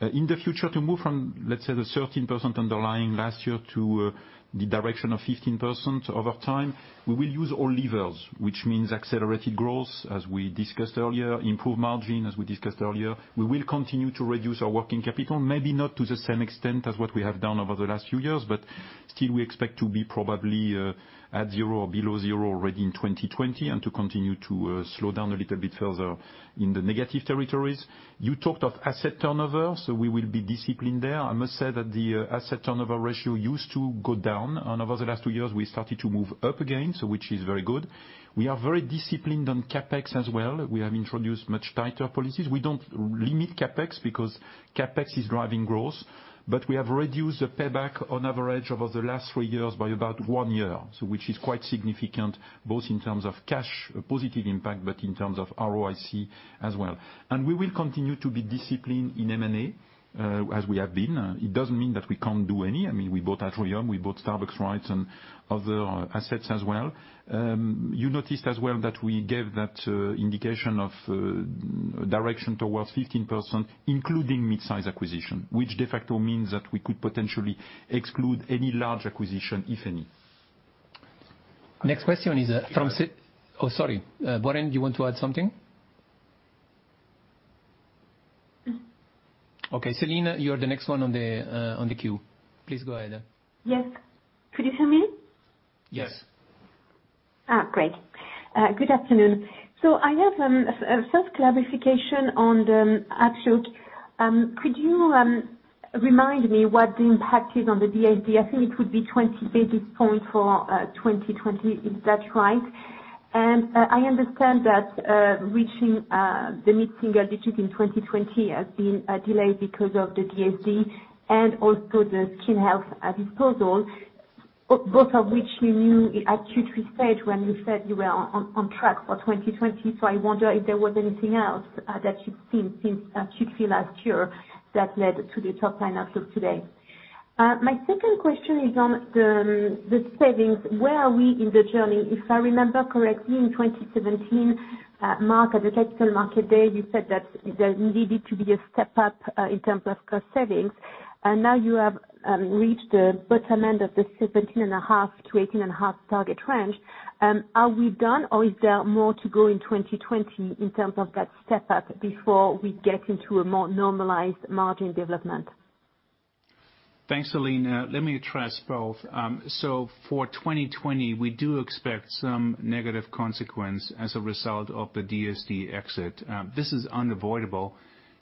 In the future, to move from, let's say, the 13% underlying last year to the direction of 15% over time, we will use all levers, which means accelerated growth, as we discussed earlier, improved margin, as we discussed earlier. We will continue to reduce our working capital, maybe not to the same extent as what we have done over the last few years, Still we expect to be probably at zero or below zero already in 2020 and to continue to slow down a little bit further in the negative territories. We will be disciplined there. I must say that the asset turnover ratio used to go down, Over the last two years, we started to move up again, Which is very good. We are very disciplined on CapEx as well. We have introduced much tighter policies. We don't limit CapEx because CapEx is driving growth, We have reduced the payback on average over the last three years by about one year. Which is quite significant, both in terms of cash positive impact, but in terms of ROIC as well. We will continue to be disciplined in M&A, as we have been. It doesn't mean that we can't do any. I mean, we bought Atrium, we bought Starbucks rights, and other assets as well. You noticed as well that we gave that indication of direction towards 15%, including mid-sized acquisition, which de facto means that we could potentially exclude any large acquisition, if any.
Next question is from Celine. Oh, sorry. Warren, do you want to add something? Okay, Celine, you're the next one on the queue. Please go ahead.
Yes. Could you hear me?
Yes.
Great. Good afternoon. I have first clarification on the outlook. Could you remind me what the impact is on the DSD? I think it would be 20 basis points for 2020. Is that right? I understand that reaching the mid-single digit in 2020 has been delayed because of the DSD and also the skin health disposal, both of which you knew at Q3 stage when you said you were on track for 2020. I wonder if there was anything else that you've seen since Q3 last year that led to the top line outlook today. My second question is on the savings. Where are we in the journey? If I remember correctly, in 2017, Mark, at the Capital Market Day, you said that there needed to be a step-up in terms of cost savings. Now you have reached the bottom end of the 17.5%-18.5% target range. Are we done or is there more to go in 2020 in terms of that step-up before we get into a more normalized margin development?
Thanks, Celine. Let me address both. For 2020, we do expect some negative consequence as a result of the DSD exit. This is unavoidable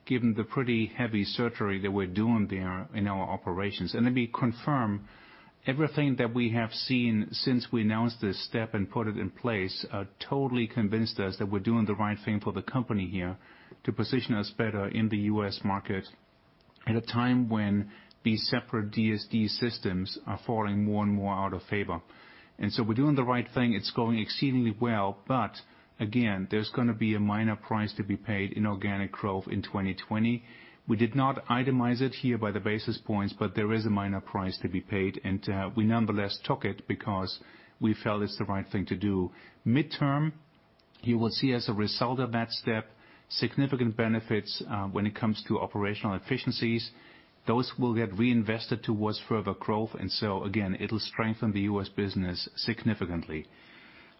given the pretty heavy surgery that we're doing there in our operations. Let me confirm everything that we have seen since we announced this step and put it in place, totally convinced us that we're doing the right thing for the company here to position us better in the U.S. market at a time when these separate DSD systems are falling more and more out of favor. We're doing the right thing. It's going exceedingly well, but again, there's going to be a minor price to be paid in organic growth in 2020. We did not itemize it here by the basis points, but there is a minor price to be paid, and we nonetheless took it because we felt it's the right thing to do. Midterm, you will see as a result of that step, significant benefits when it comes to operational efficiencies. Those will get reinvested towards further growth. Again, it'll strengthen the U.S. business significantly.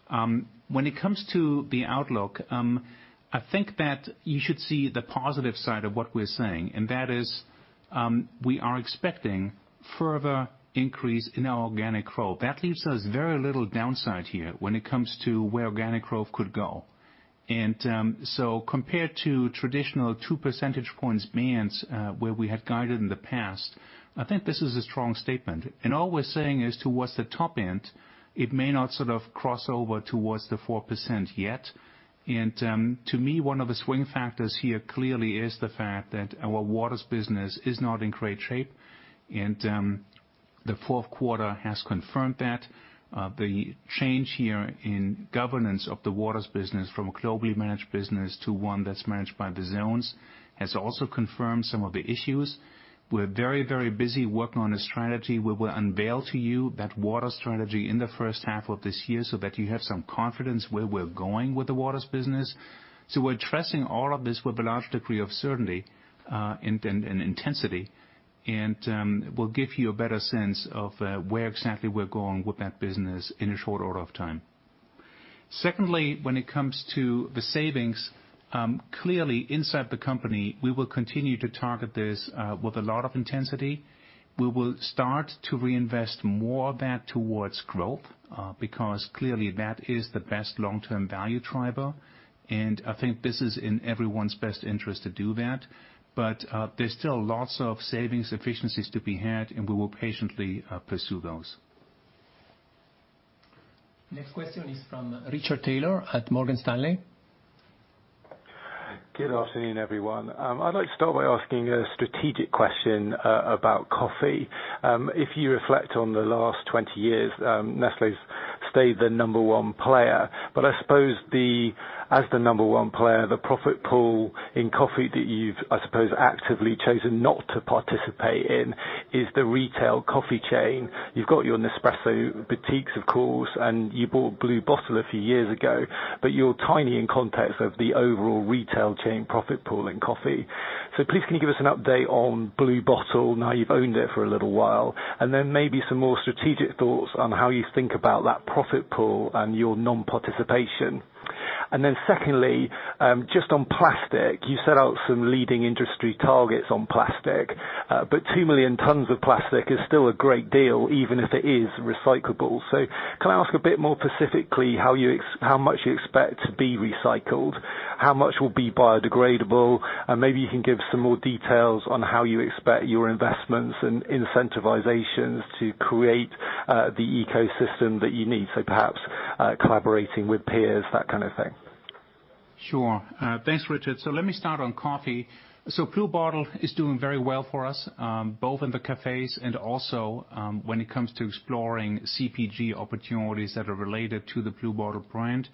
When it comes to the outlook, I think that you should see the positive side of what we're saying, and that is, we are expecting further increase in our organic growth. That leaves us very little downside here when it comes to where organic growth could go. Compared to traditional two percentage points bands, where we had guided in the past, I think this is a strong statement. And all we're saying is towards the top end, it may not sort of cross over towards the 4% yet. To me, one of the swing factors here clearly is the fact that our waters business is not in great shape. And the fourth quarter has confirmed that. The change here in governance of the waters business from a globally managed business to one that's managed by the zones has also confirmed some of the issues. We're very busy working on a strategy. We will unveil to you that water strategy in the first half of this year so that you have some confidence where we're going with the waters business. We're addressing all of this with a large degree of certainty, and intensity. We'll give you a better sense of where exactly we're going with that business in a short order of time. Secondly, when it comes to the savings, clearly inside the company, we will continue to target this, with a lot of intensity. We will start to reinvest more of that towards growth, because clearly that is the best long-term value driver, and I think this is in everyone's best interest to do that. There's still lots of savings efficiencies to be had, and we will patiently pursue those.
Next question is from Richard Taylor at Morgan Stanley.
Good afternoon, everyone. I'd like to start by asking a strategic question about Coffee. If you reflect on the last 20 years, Nestlé's stayed the number one player, but I suppose as the number one player, the profit pool in coffee that you've, I suppose, actively chosen not to participate in is the retail Coffee chain. You've got your Nespresso boutiques of course, and you bought Blue Bottle a few years ago, but you're tiny in context of the overall retail chain profit pool in Coffee. Please, can you give us an update on Blue Bottle now you've owned it for a little while, and then maybe some more strategic thoughts on how you think about that profit pool and your non-participation. Secondly, just on plastic, you set out some leading industry targets on plastic. Two million tons of plastic is still a great deal, even if it is recyclable. Can I ask a bit more specifically how much you expect to be recycled, how much will be biodegradable, and maybe you can give some more details on how you expect your investments and incentivizations to create the ecosystem that you need. Perhaps collaborating with peers, that kind of thing.
Sure. Thanks, Richard. Let me start on Coffee. Blue Bottle is doing very well for us, both in the cafes and also when it comes to exploring CPG opportunities that are related to the Blue Bottle brand.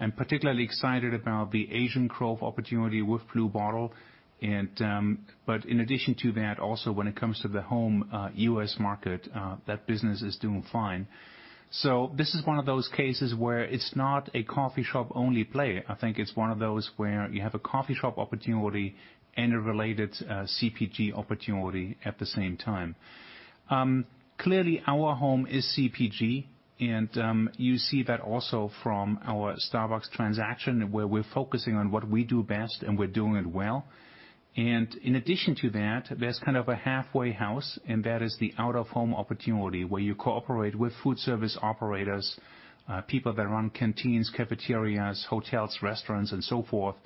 I'm particularly excited about the Asian growth opportunity with Blue Bottle. In addition to that, also when it comes to the home U.S. market, that business is doing fine. This is one of those cases where it's not a coffee shop-only play. I think it's one of those where you have a coffee shop opportunity and a related CPG opportunity at the same time. Our home is CPG, and you see that also from our Starbucks transaction, where we're focusing on what we do best, and we're doing it well. And in addition to that, there's kind of a halfway house, and that is the out-of-home opportunity where you cooperate with food service operators, people that run canteens, cafeterias, hotels, restaurants, and so forth.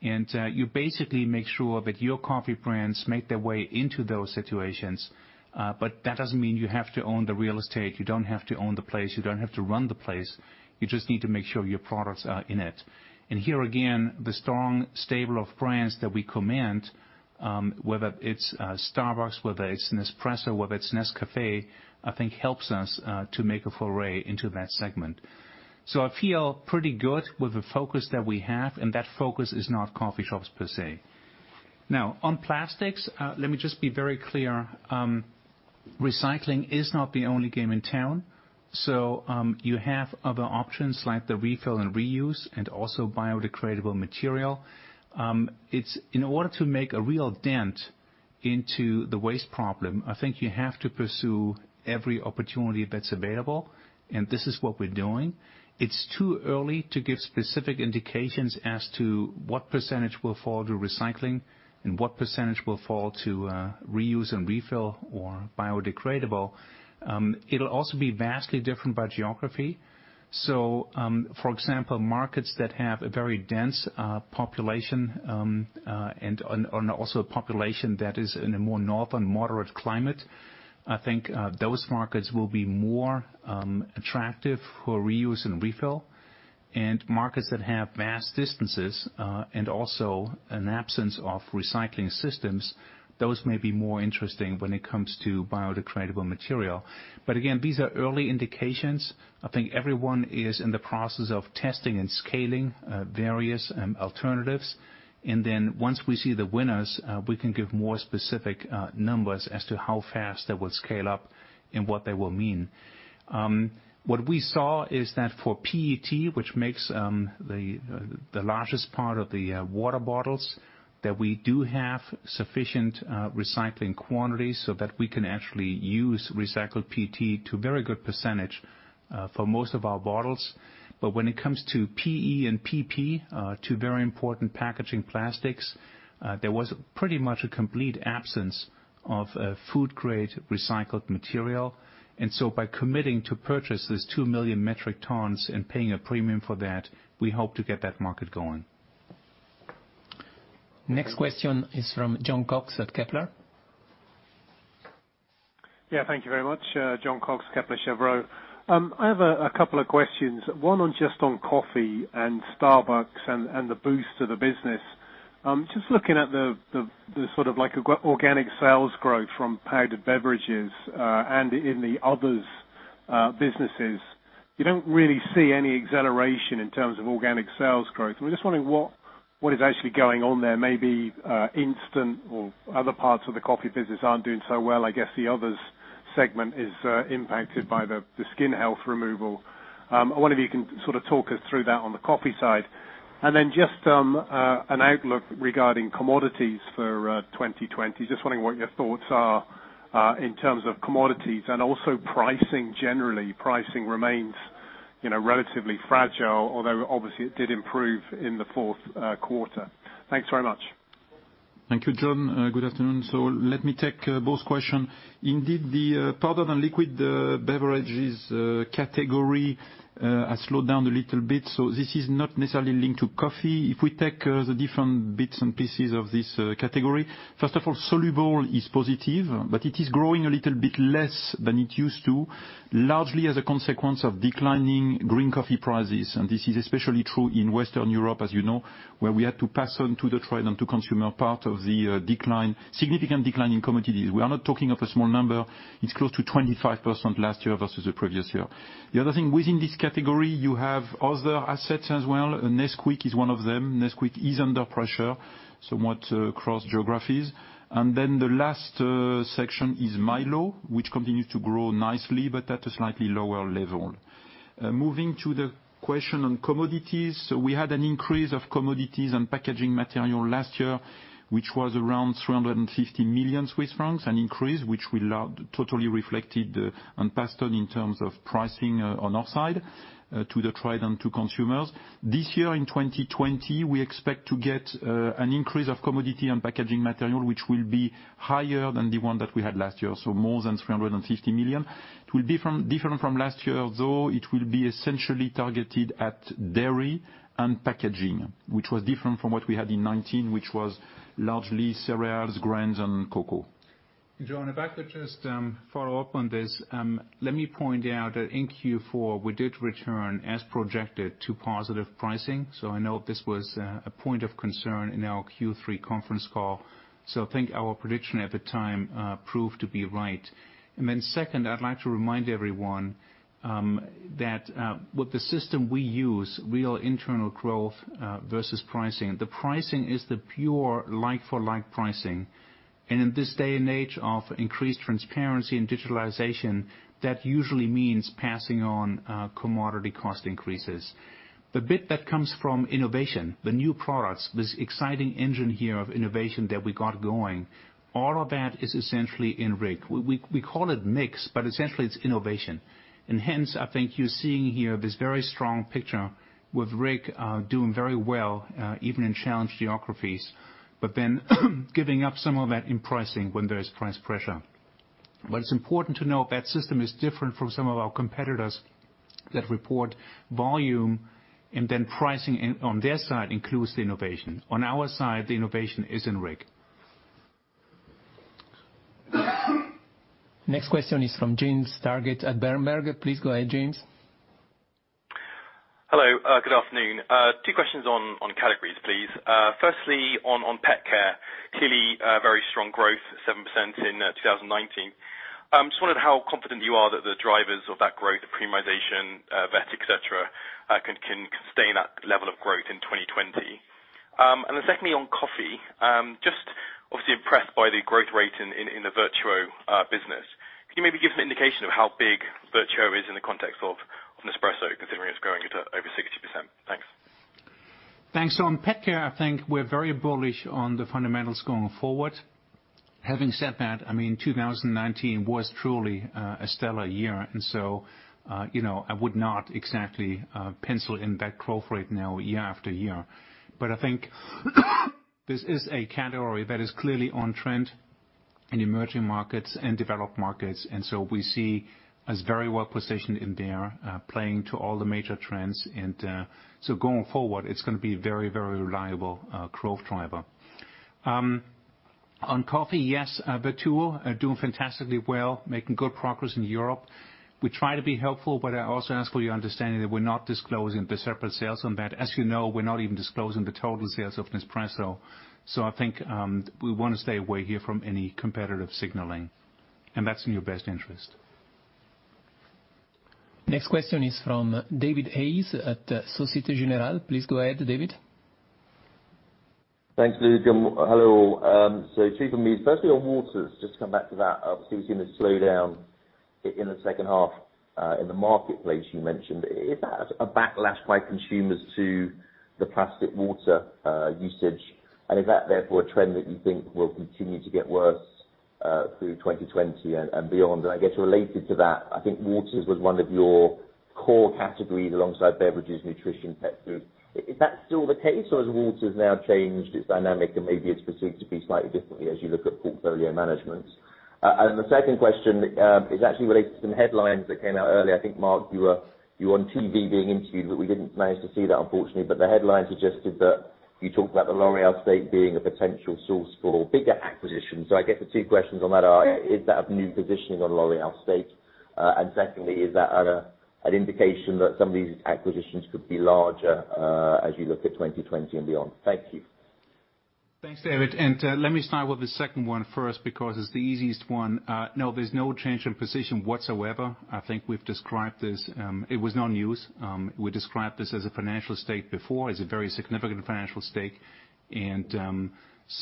You basically make sure that your Coffee brands make their way into those situations. That doesn't mean you have to own the real estate. You don't have to own the place, you don't have to run the place. You just need to make sure your products are in it. Here again, the strong stable of brands that we command, whether it's Starbucks, whether it's Nespresso, whether it's Nescafé, I think helps us to make a foray into that segment. I feel pretty good with the focus that we have, and that focus is not coffee shops per se. On plastics, let me just be very clear. Recycling is not the only game in town. You have other options like the refill and reuse and also biodegradable material. In order to make a real dent into the waste problem, I think you have to pursue every opportunity that's available, and this is what we're doing. It's too early to give specific indications as to what percentage will fall to recycling and what percentage will fall to reuse and refill or biodegradable. It'll also be vastly different by geography. For example, markets that have a very dense population, and also a population that is in a more northern, moderate climate, I think those markets will be more attractive for reuse and refill. Markets that have vast distances, and also an absence of recycling systems, those may be more interesting when it comes to biodegradable material. Again, these are early indications. I think everyone is in the process of testing and scaling various alternatives. Then once we see the winners, we can give more specific numbers as to how fast they will scale up and what they will mean. What we saw is that for PET, which makes the largest part of the water bottles, that we do have sufficient recycling quantities so that we can actually use recycled PET to very good percentage for most of our bottles. When it comes to PE and PP, two very important packaging plastics, there was pretty much a complete absence of food-grade recycled material. So by committing to purchase this 2 million metric tons and paying a premium for that, we hope to get that market going.
Next question is from Jon Cox at Kepler.
Yeah, thank you very much. Jon Cox, Kepler Cheuvreux. I have a couple of questions. One on just on Coffee and Starbucks and the boost to the business. Just looking at the organic sales growth from powdered beverages, and in the others businesses, you don't really see any acceleration in terms of organic sales growth. I'm just wondering what is actually going on there. Maybe instant or other parts of the coffee business aren't doing so well. I guess the others segment is impacted by the skin health removal. I wonder if you can talk us through that on the coffee side. Just an outlook regarding commodities for 2020. Just wondering what your thoughts are, in terms of commodities and also pricing. Generally, pricing remains relatively fragile, although obviously it did improve in the fourth quarter. Thanks very much.
Thank you, Jon. Good afternoon. Let me take both question. Indeed, the powder and liquid beverages category has slowed down a little bit, this is not necessarily linked to coffee. If we take the different bits and pieces of this category, first of all, soluble is positive, but it is growing a little bit less than it used to, largely as a consequence of declining green coffee prices. This is especially true in Western Europe, as you know, where we had to pass on to the trade and to consumer part of the significant decline in commodities. We are not talking of a small number. It's close to 25% last year versus the previous year. The other thing, within this category, you have other assets as well. Nesquik is one of them. Nesquik is under pressure, somewhat across geographies. The last section is Milo, which continues to grow nicely, but at a slightly lower level. Moving to the question on commodities, we had an increase of commodities and packaging material last year, which was around 350 million Swiss francs, an increase which we totally reflected and passed on in terms of pricing on our side to the trade and to consumers. This year, in 2020, we expect to get an increase of commodity and packaging material, which will be higher than the one that we had last year. More than 350 million. It will be different from last year, though it will be essentially targeted at Dairy and packaging, which was different from what we had in 2019, which was largely cereals, grains, and cocoa.
John, if I could just follow up on this. Let me point out that in Q4, we did return as projected to positive pricing. I know this was a point of concern in our Q3 conference call. I think our prediction at the time proved to be right. Second, I'd like to remind everyone that with the system we use, real internal growth versus pricing. The pricing is the pure like-for-like pricing. In this day and age of increased transparency and digitalization, that usually means passing on commodity cost increases. The bit that comes from innovation, the new products, this exciting engine here of innovation that we got going, all of that is essentially in RIG. We call it mix, essentially it's innovation. And hence, I think you're seeing here this very strong picture with RIG doing very well, even in challenged geographies, but then giving up some of that in pricing when there is price pressure. It's important to note that system is different from some of our competitors that report volume and then pricing on their side includes the innovation. On our side, the innovation is in RIG.
Next question is from James Targett at Berenberg. Please go ahead, James.
Hello, good afternoon. Two questions on categories, please. On PetCare, clearly very strong growth, 7% in 2019. Just wondered how confident you are that the drivers of that growth, the premiumization, vet, et cetera, can stay in that level of growth in 2020. Secondly on Coffee, just obviously impressed by the growth rate in the Vertuo business. Can you maybe give us an indication of how big Vertuo is in the context of Nespresso, considering it's growing at over 60%? Thanks.
On pet care, I think we're very bullish on the fundamentals going forward. Having said that, 2019 was truly a stellar year. I would not exactly pencil in that growth rate now year after year. I think this is a category that is clearly on trend in emerging markets and developed markets. We see as very well positioned in there playing to all the major trends. Going forward, it's going to be very reliable growth driver. On Coffee, yes, Vertuo are doing fantastically well, making good progress in Europe. We try to be helpful, but I also ask for your understanding that we're not disclosing the separate sales on that. As you know, we're not even disclosing the total sales of Nespresso. I think we want to stay away here from any competitive signaling, and that's in your best interest.
Next question is from David Hayes at Societe Generale. Please go ahead, David.
Thanks, Luca. Hello. Two from me, firstly on Waters, just to come back to that. Obviously, we've seen a slowdown in the second half in the marketplace you mentioned. Is that a backlash by consumers to the plastic water usage? Is that therefore a trend that you think will continue to get worse through 2020 and beyond? I guess related to that, I think Waters was one of your core categories alongside beverages, Nutrition, Pet Food. Is that still the case, or has Waters now changed its dynamic and maybe it's perceived to be slightly differently as you look at portfolio management? And the second question is actually related to some headlines that came out earlier. I think, Mark, you were on TV being interviewed, but we didn't manage to see that, unfortunately. But the headlines suggested that you talked about the L'Oréal stake being a potential source for bigger acquisitions. I guess the two questions on that are, is that a new positioning on L'Oréal stake? Secondly, is that an indication that some of these acquisitions could be larger as you look at 2020 and beyond? Thank you.
Thanks, David. Let me start with the second one first because it's the easiest one. No, there's no change in position whatsoever. I think we've described this. It was not news. We described this as a financial stake before, as a very significant financial stake. This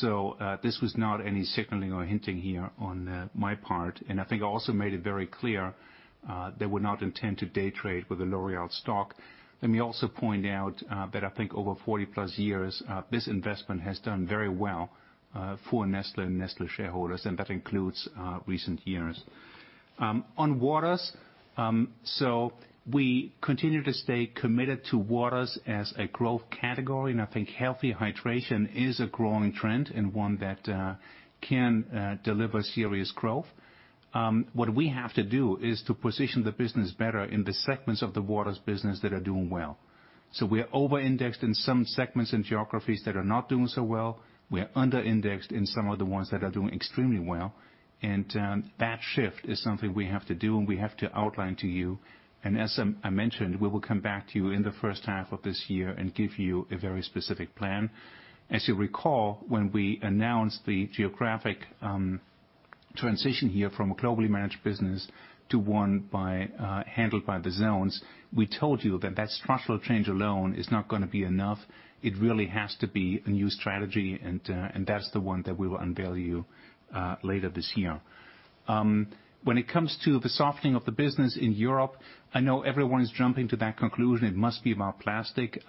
was not any signaling or hinting here on my part. I think I also made it very clear that we're not intend to day trade with the L'Oréal stock. Let me also point out that I think over 40+ years, this investment has done very well for Nestlé and Nestlé shareholders, and that includes recent years. On waters, so we continue to stay committed to waters as a growth category, and I think healthy hydration is a growing trend and one that can deliver serious growth. What we have to do is to position the business better in the segments of the waters business that are doing well. We're over-indexed in some segments and geographies that are not doing so well. We're under-indexed in some of the ones that are doing extremely well. That shift is something we have to do, and we have to outline to you. As I mentioned, we will come back to you in the first half of this year and give you a very specific plan. As you recall, when we announced the geographic transition here from a globally managed business to one handled by the zones, we told you that structural change alone is not going to be enough. It really has to be a new strategy, and that's the one that we will unveil you later this year. When it comes to the softening of the business in Europe, I know everyone is jumping to that conclusion it must be about plastic.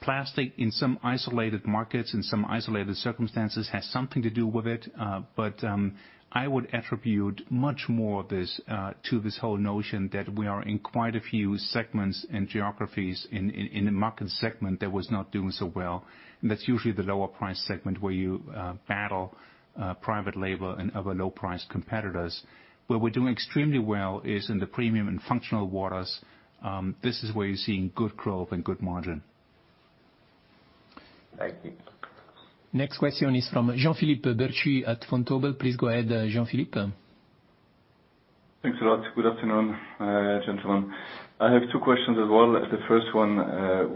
Plastic in some isolated markets, in some isolated circumstances, has something to do with it. I would attribute much more of this to this whole notion that we are in quite a few segments and geographies in a market segment that was not doing so well. That's usually the lower price segment where you battle private label and other low price competitors. Where we're doing extremely well is in the premium and functional waters. This is where you're seeing good growth and good margin.
Thank you.
Next question is from Jean-Philippe Bertschy at Vontobel. Please go ahead, Jean-Philippe.
Thanks a lot. Good afternoon, gentlemen. I have two questions as well. The first one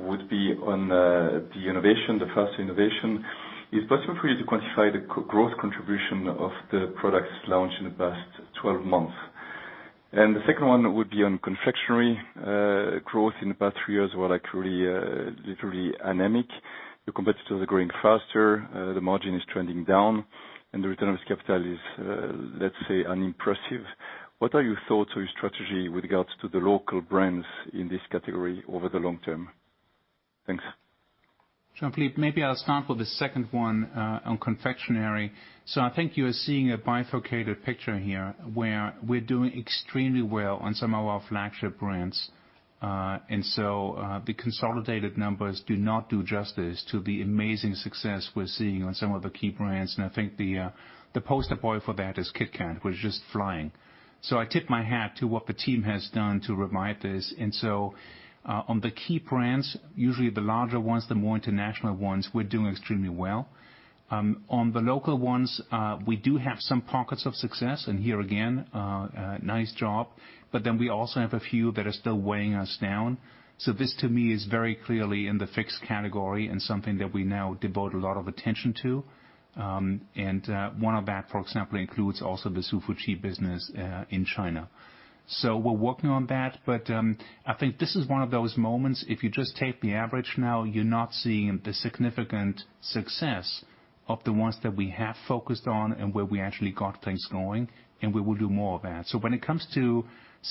would be on the innovation, the first innovation. Is it possible for you to quantify the growth contribution of the products launched in the past 12 months? The second one would be on Confectionery growth in the past three years were actually literally anemic. The competitors are growing faster, the margin is trending down, and the return on capital is, let's say, unimpressive. What are your thoughts or your strategy with regards to the local brands in this category over the long term? Thanks.
Jean-Philippe, maybe I'll start with the second one on Confectionery. I think you are seeing a bifurcated picture here where we're doing extremely well on some of our flagship brands. The consolidated numbers do not do justice to the amazing success we're seeing on some of the key brands, and I think the poster boy for that is KitKat, which is just flying. I tip my hat to what the team has done to revive this. On the key brands, usually the larger ones, the more international ones, we're doing extremely well. On the local ones, we do have some pockets of success, and here again, nice job, but we also have a few that are still weighing us down. This to me is very clearly in the fixed category and something that we now devote a lot of attention to. One of that, for example, includes also the Hsu Fu Chi business in China. We're working on that. I think this is one of those moments, if you just take the average now, you're not seeing the significant success of the ones that we have focused on and where we actually got things going, and we will do more of that. When it comes to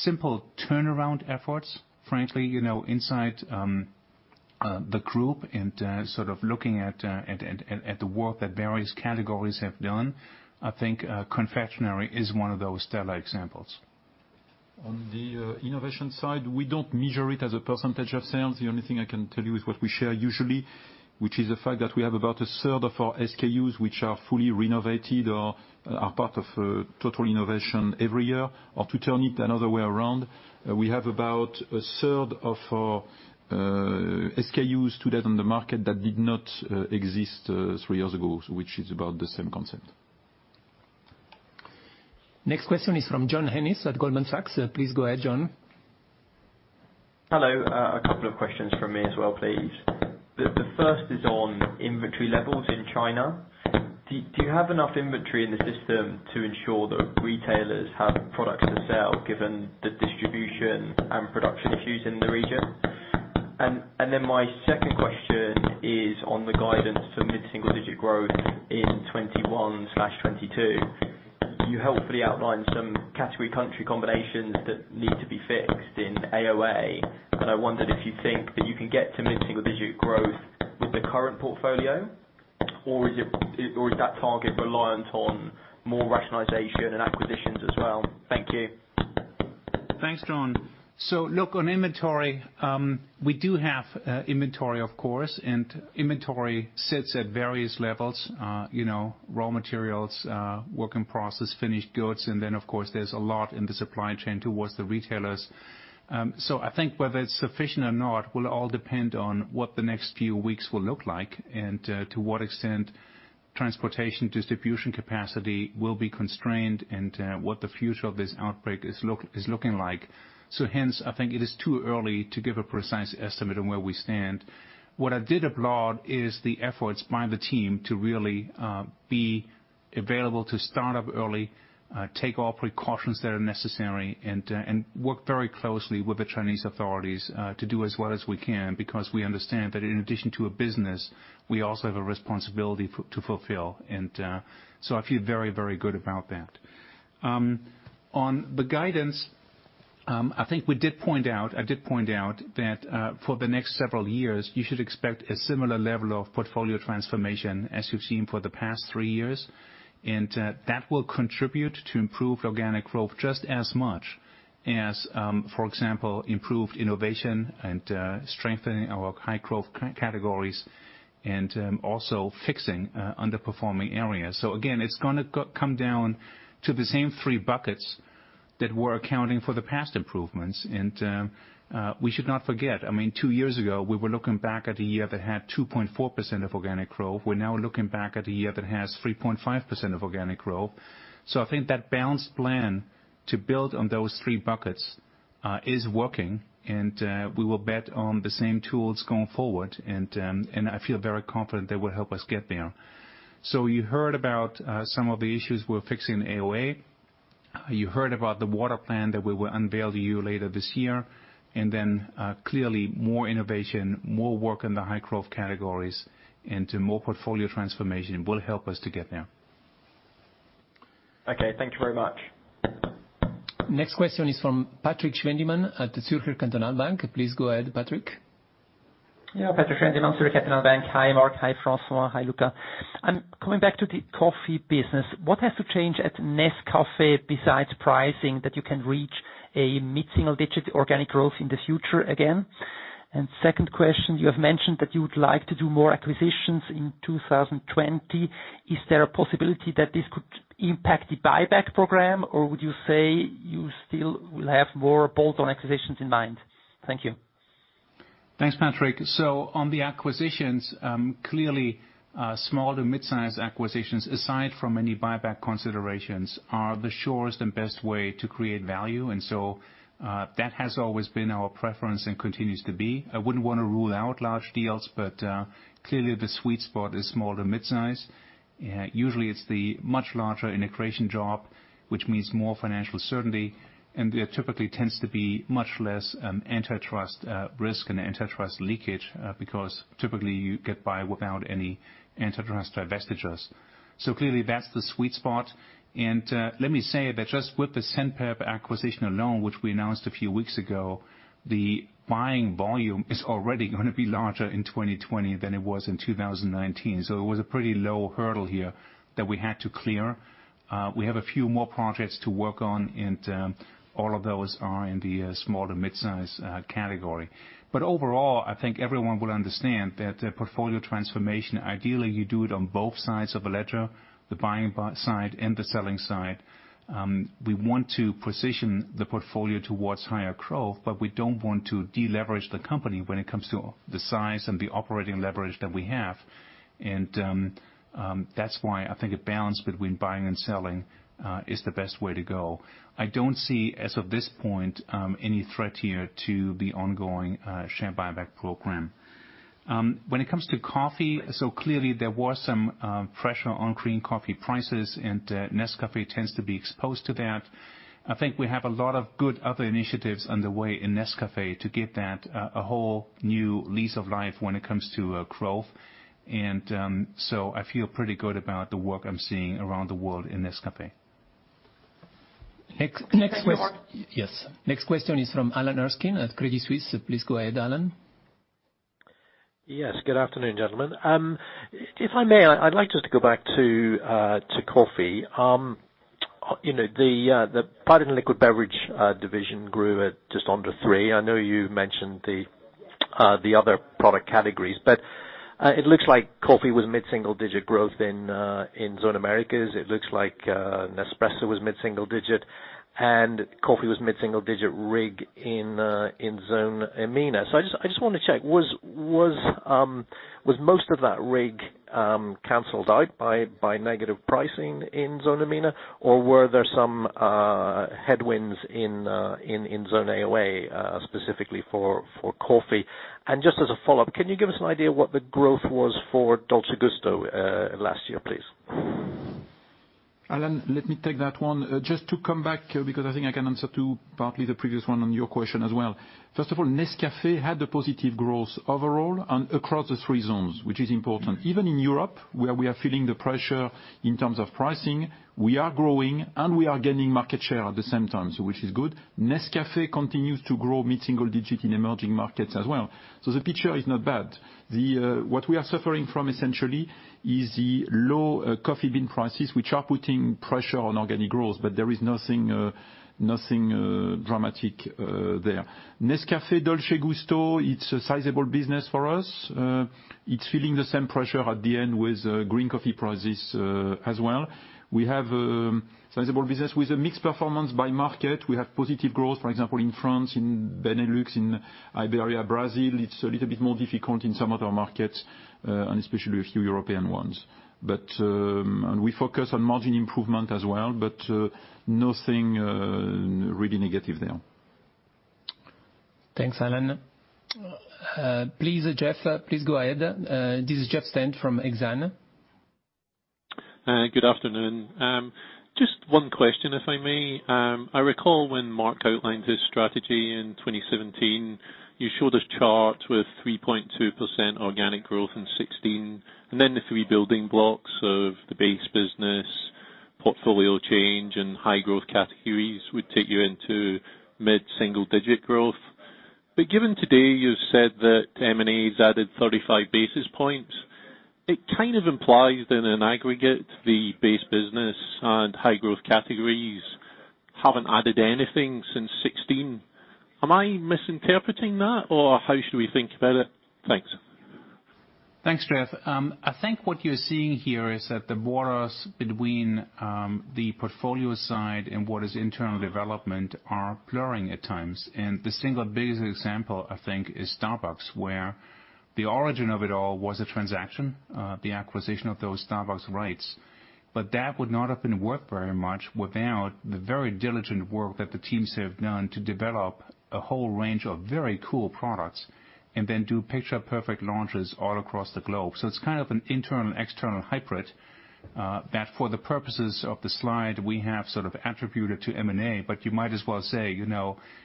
simple turnaround efforts, frankly, inside the group and looking at the work that various categories have done, I think Confectionery is one of those stellar examples.
On the innovation side, we don't measure it as a percentage of sales. The only thing I can tell you is what we share usually, which is the fact that we have about a third of our SKUs, which are fully renovated or are part of a total innovation every year. Or to turn it another way around, we have about a third of our SKUs today on the market that did not exist three years ago, which is about the same concept.
Next question is from John Ennis at Goldman Sachs. Please go ahead, John.
Hello. A couple of questions from me as well, please. The first is on inventory levels in China. Do you have enough inventory in the system to ensure that retailers have products to sell, given the distribution and production issues in the region? My second question is on the guidance for mid-single digit growth in 2021-2022. You helpfully outlined some category country combinations that need to be fixed in AOA, and I wondered if you think that you can get to mid-single digit growth with the current portfolio or is that target reliant on more rationalization and acquisitions as well? Thank you.
Thanks, John. Look, on inventory, we do have inventory of course, and inventory sits at various levels. Raw materials, work in process, finished goods, and then of course there's a lot in the supply chain towards the retailers. I think whether it's sufficient or not will all depend on what the next few weeks will look like and to what extent transportation distribution capacity will be constrained, and what the future of this outbreak is looking like. Hence, I think it is too early to give a precise estimate on where we stand. What I did applaud is the efforts by the team to really be available to start up early, take all precautions that are necessary, and work very closely with the Chinese authorities, to do as well as we can, because we understand that in addition to a business, we also have a responsibility to fulfill. I feel very good about that. On the guidance, I think I did point out that for the next several years, you should expect a similar level of portfolio transformation as you've seen for the past three years. That will contribute to improved organic growth just as much as, for example, improved innovation and strengthening our high growth categories and also fixing underperforming areas. Again, it's going to come down to the same three buckets that were accounting for the past improvements. We should not forget, two years ago, we were looking back at a year that had 2.4% of organic growth. We're now looking back at a year that has 3.5% of organic growth. I think that balanced plan to build on those three buckets is working and we will bet on the same tools going forward. I feel very confident they will help us get there. You heard about some of the issues we're fixing in AOA. You heard about the water plan that we will unveil to you later this year, and then clearly more innovation, more work in the high growth categories into more portfolio transformation will help us to get there.
Okay. Thank you very much.
Next question is from Patrik Schwendimann at Zürcher Kantonalbank. Please go ahead, Patrik.
Patrik Schwendimann, Zürcher Kantonalbank. Hi, Mark. Hi, François. Hi, Luca. I'm coming back to the coffee business. What has to change at Nescafé besides pricing that you can reach a mid-single-digit organic growth in the future again? Second question, you have mentioned that you would like to do more acquisitions in 2020. Is there a possibility that this could impact the buyback program, or would you say you still will have more bolt-on acquisitions in mind? Thank you.
Thanks, Patrik. On the acquisitions, clearly, small to midsize acquisitions, aside from any buyback considerations, are the surest and best way to create value. That has always been our preference and continues to be. I wouldn't want to rule out large deals, but clearly the sweet spot is small to mid-size. Usually it's the much larger integration job, which means more financial certainty, and there typically tends to be much less antitrust risk and antitrust leakage, because typically you get by without any antitrust divestitures. Clearly that's the sweet spot. Let me say that just with the Zenpep acquisition alone, which we announced a few weeks ago, the buying volume is already going to be larger in 2020 than it was in 2019. It was a pretty low hurdle here that we had to clear. We have a few more projects to work on, and all of those are in the small to mid-size category. Overall, I think everyone will understand that portfolio transformation, ideally you do it on both sides of a ledger, the buying side and the selling side. We want to position the portfolio towards higher growth, but we don't want to deleverage the company when it comes to the size and the operating leverage that we have. That's why I think a balance between buying and selling is the best way to go. I don't see, as of this point, any threat here to the ongoing share buyback program. When it comes to coffee, so clearly there was some pressure on green coffee prices, and Nescafé tends to be exposed to that. I think we have a lot of good other initiatives underway in Nescafé to give that a whole new lease of life when it comes to growth. I feel pretty good about the work I'm seeing around the world in Nescafé.
Next question.
Thank you, Mark.
Yes. Next question is from Alan Erskine at Crédit Suisse. Please go ahead, Alan.
Yes, good afternoon, gentlemen. If I may, I'd like just to go back to Coffee. The part in liquid beverage division grew at just under three. I know you mentioned the other product categories. It looks like coffee was mid-single digit growth in Zone Americas. It looks like Nespresso was mid-single digit, and Coffee was mid-single-digit RIG in Zone EMENA. So I just want to check, was most of that RIG canceled out by negative pricing in Zone EMENA? Were there some headwinds in Zone AOA, specifically for Coffee? Just as a follow-up, can you give us an idea what the growth was for Dolce Gusto last year, please?
Alan, let me take that one. Just to come back, because I think I can answer too, partly the previous one on your question as well. First of all, Nescafé had a positive growth overall and across the three zones, which is important. Even in Europe, where we are feeling the pressure in terms of pricing, we are growing and we are gaining market share at the same time, so which is good. Nescafé continues to grow mid-single digit in emerging markets as well. The picture is not bad. What we are suffering from essentially is the low Coffee bean prices which are putting pressure on organic growth. There is nothing dramatic there. Nescafé Dolce Gusto, it's a sizable business for us. It's feeling the same pressure at the end with green coffee prices as well. We have a sizable business with a mixed performance by market. We have positive growth, for example, in France, in Benelux, in Iberia, Brazil. It's a little bit more difficult in some other markets, and especially a few European ones. We focus on margin improvement as well, but nothing really negative there.
Thanks, Alan. Please, Jeff, please go ahead. This is Jeff Stent from Exane.
Good afternoon. Just one question, if I may. I recall when Mark outlined his strategy in 2017, you showed a chart with 3.2% organic growth in 2016. The three building blocks of the base business, portfolio change, and high growth categories would take you into mid-single digit growth. Given today, you've said that M&A has added 35 basis points. It kind of implies that in aggregate, the base business and high growth categories haven't added anything since 2016. Am I misinterpreting that? How should we think about it? Thanks.
Thanks, Jeff. I think what you're seeing here is that the borders between the portfolio side and what is internal development are blurring at times. The single biggest example, I think, is Starbucks, where the origin of it all was a transaction, the acquisition of those Starbucks rights. That would not have been worth very much without the very diligent work that the teams have done to develop a whole range of very cool products and then do picture-perfect launches all across the globe. It's kind of an internal, external hybrid, that for the purposes of the slide, we have sort of attributed to M&A, but you might as well say,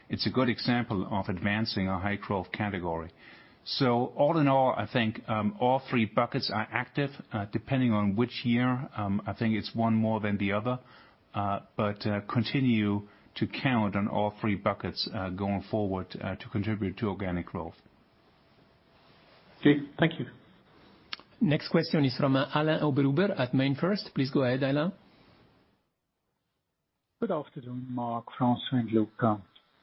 it's a good example of advancing a high growth category. All in all, I think, all three buckets are active, depending on which year. I think it's one more than the other continue to count on all three buckets going forward to contribute to organic growth.
Okay, thank you.
Next question is from Alain Oberhuber at MainFirst. Please go ahead, Alain.
Good afternoon, Mark, François, and Luca.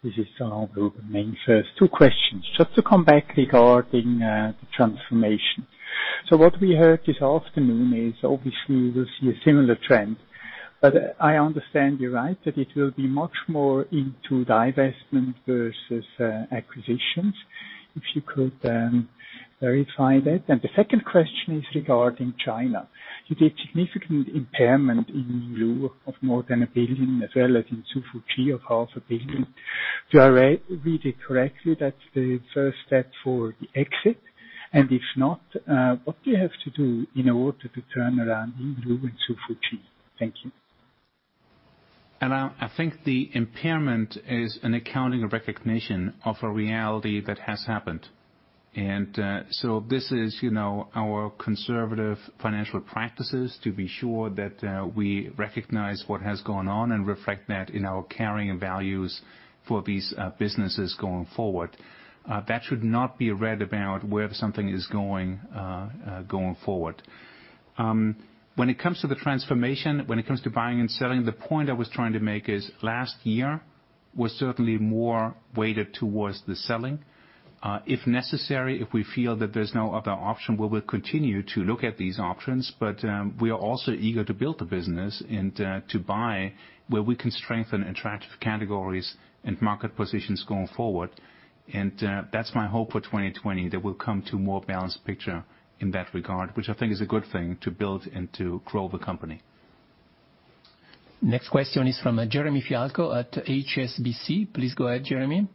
This is Alain Oberhuber, MainFirst. Two questions. Just to come back regarding the transformation. What we heard this afternoon is obviously we'll see a similar trend. I understand you're right, that it will be much more into divestment versus acquisitions. If you could verify that. The second question is regarding China. You did significant impairment in Yinlu of more than 1 billion, as well as in Hsu Fu Chi of 0.5 billion. Do I read it correctly, that's the first step for the exit? If not, what do you have to do in order to turn around in Yinlu and Hsu Fu Chi? Thank you.
Alain, I think the impairment is an accounting recognition of a reality that has happened. This is our conservative financial practices to be sure that we recognize what has gone on and reflect that in our carrying values for these businesses going forward. That should not be read about where something is going forward. When it comes to the transformation, when it comes to buying and selling, the point I was trying to make is last year was certainly more weighted towards the selling. If necessary, if we feel that there's no other option, we will continue to look at these options, but we are also eager to build the business and to buy where we can strengthen attractive categories and market positions going forward. That's my hope for 2020, that we'll come to more balanced picture in that regard, which I think is a good thing to build and to grow the company.
Next question is from Jeremy Fialko at HSBC. Please go ahead, Jeremy.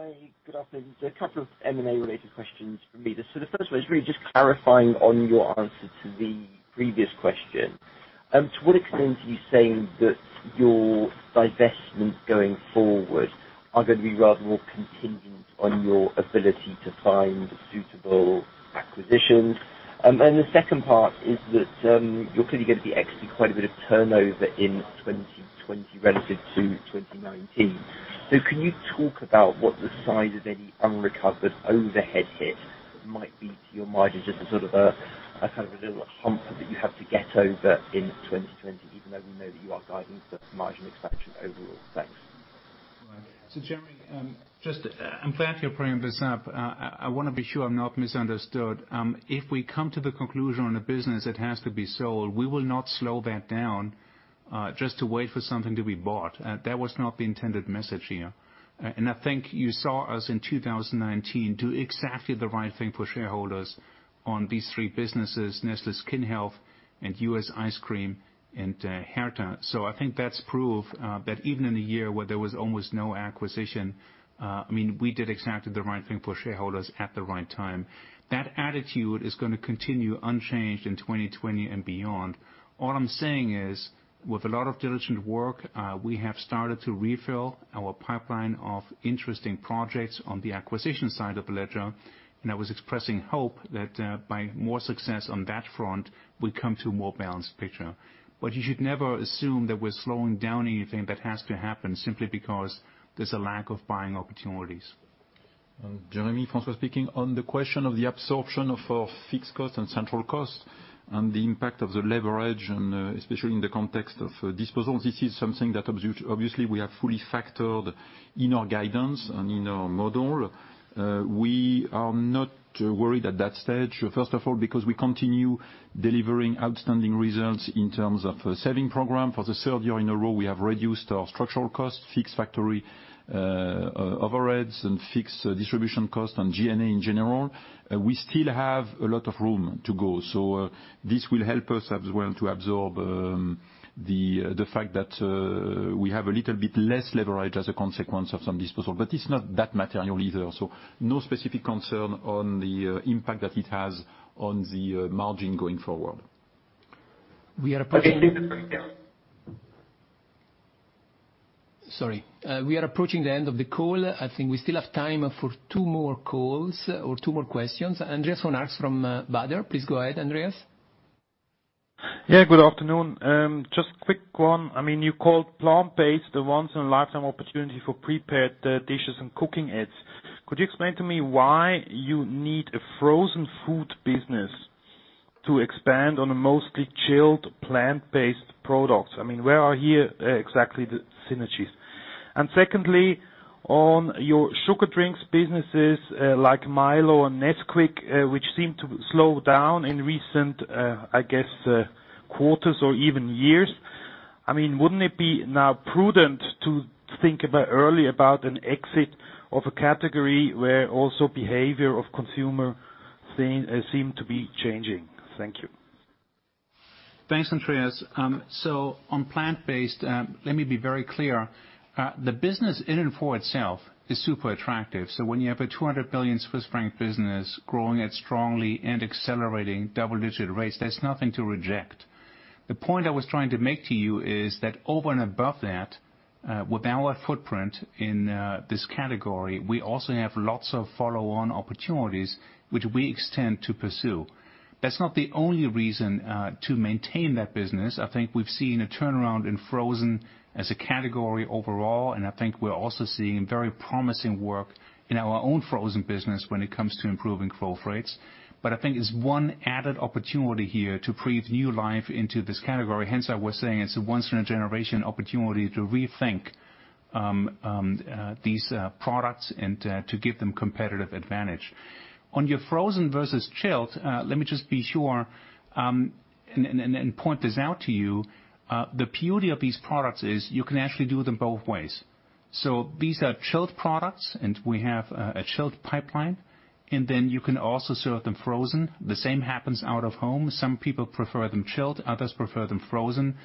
Hi, good afternoon. A couple of M&A related questions from me. The first one is really just clarifying on your answer to the previous question. To what extent are you saying that your divestments going forward are going to be rather more contingent on your ability to find suitable acquisitions. The second part is that you're clearly going to be exiting quite a bit of turnover in 2020 relative to 2019. Can you talk about what the size of any unrecovered overhead hit might be to your margin? Just as sort of a little hump that you have to get over in 2020, even though we know that you are guiding for margin expansion overall. Thanks.
Jeremy, I'm glad you're bringing this up. I want to be sure I'm not misunderstood. If we come to the conclusion on a business that has to be sold, we will not slow that down, just to wait for something to be bought. That was not the intended message here. I think you saw us in 2019 do exactly the right thing for shareholders on these three businesses, Nestlé Skin Health, and US Ice Cream and Herta. I think that's proof that even in a year where there was almost no acquisition, we did exactly the right thing for shareholders at the right time. That attitude is going to continue unchanged in 2020 and beyond. All I'm saying is, with a lot of diligent work, we have started to refill our pipeline of interesting projects on the acquisition side of the ledger, and I was expressing hope that by more success on that front, we come to a more balanced picture. You should never assume that we're slowing down anything that has to happen simply because there's a lack of buying opportunities.
Jeremy, François speaking. On the question of the absorption of our fixed costs and central costs and the impact of the leverage and especially in the context of disposals, this is something that obviously we have fully factored in our guidance and in our model. We are not worried at that stage, first of all, because we continue delivering outstanding results in terms of saving program. For the third year in a row, we have reduced our structural cost, fixed factory overheads, and fixed distribution cost on G&A in general. This will help us as well to absorb the fact that we have a little bit less leverage as a consequence of some disposal. It's not that material either. No specific concern on the impact that it has on the margin going forward.
We are approaching. Sorry. We are approaching the end of the call. I think we still have time for two more calls or two more questions. Andreas von Arx from Baader. Please go ahead, Andreas.
Good afternoon. Just quick one. You called plant-based a once in a lifetime opportunity for Prepared Dishes and Cooking Aids. Could you explain to me why you need a frozen food business to expand on a mostly chilled plant-based products? Where are here exactly the synergies? Secondly, on your sugar drinks businesses like Milo and Nesquik, which seem to slow down in recent quarters or even years. Wouldn't it be now prudent to think early about an exit of a category where also behavior of consumer seem to be changing? Thank you.
Thanks, Andreas. On plant-based, let me be very clear. The business in and for itself is super attractive. When you have a 200 billion Swiss franc business growing at strongly and accelerating double-digit rates, that's nothing to reject. The point I was trying to make to you is that over and above that, with our footprint in this category, we also have lots of follow-on opportunities which we extend to pursue. That's not the only reason to maintain that business. I think we've seen a turnaround in frozen as a category overall, I think we're also seeing very promising work in our own frozen business when it comes to improving growth rates. I think it's one added opportunity here to breathe new life into this category. I was saying it's a once in a generation opportunity to rethink these products and to give them competitive advantage. On your frozen versus chilled, let me just be sure and point this out to you. The beauty of these products is you can actually do them both ways. These are chilled products. We have a chilled pipeline. You can also serve them frozen. The same happens out of home. Some people prefer them chilled, others prefer them frozen.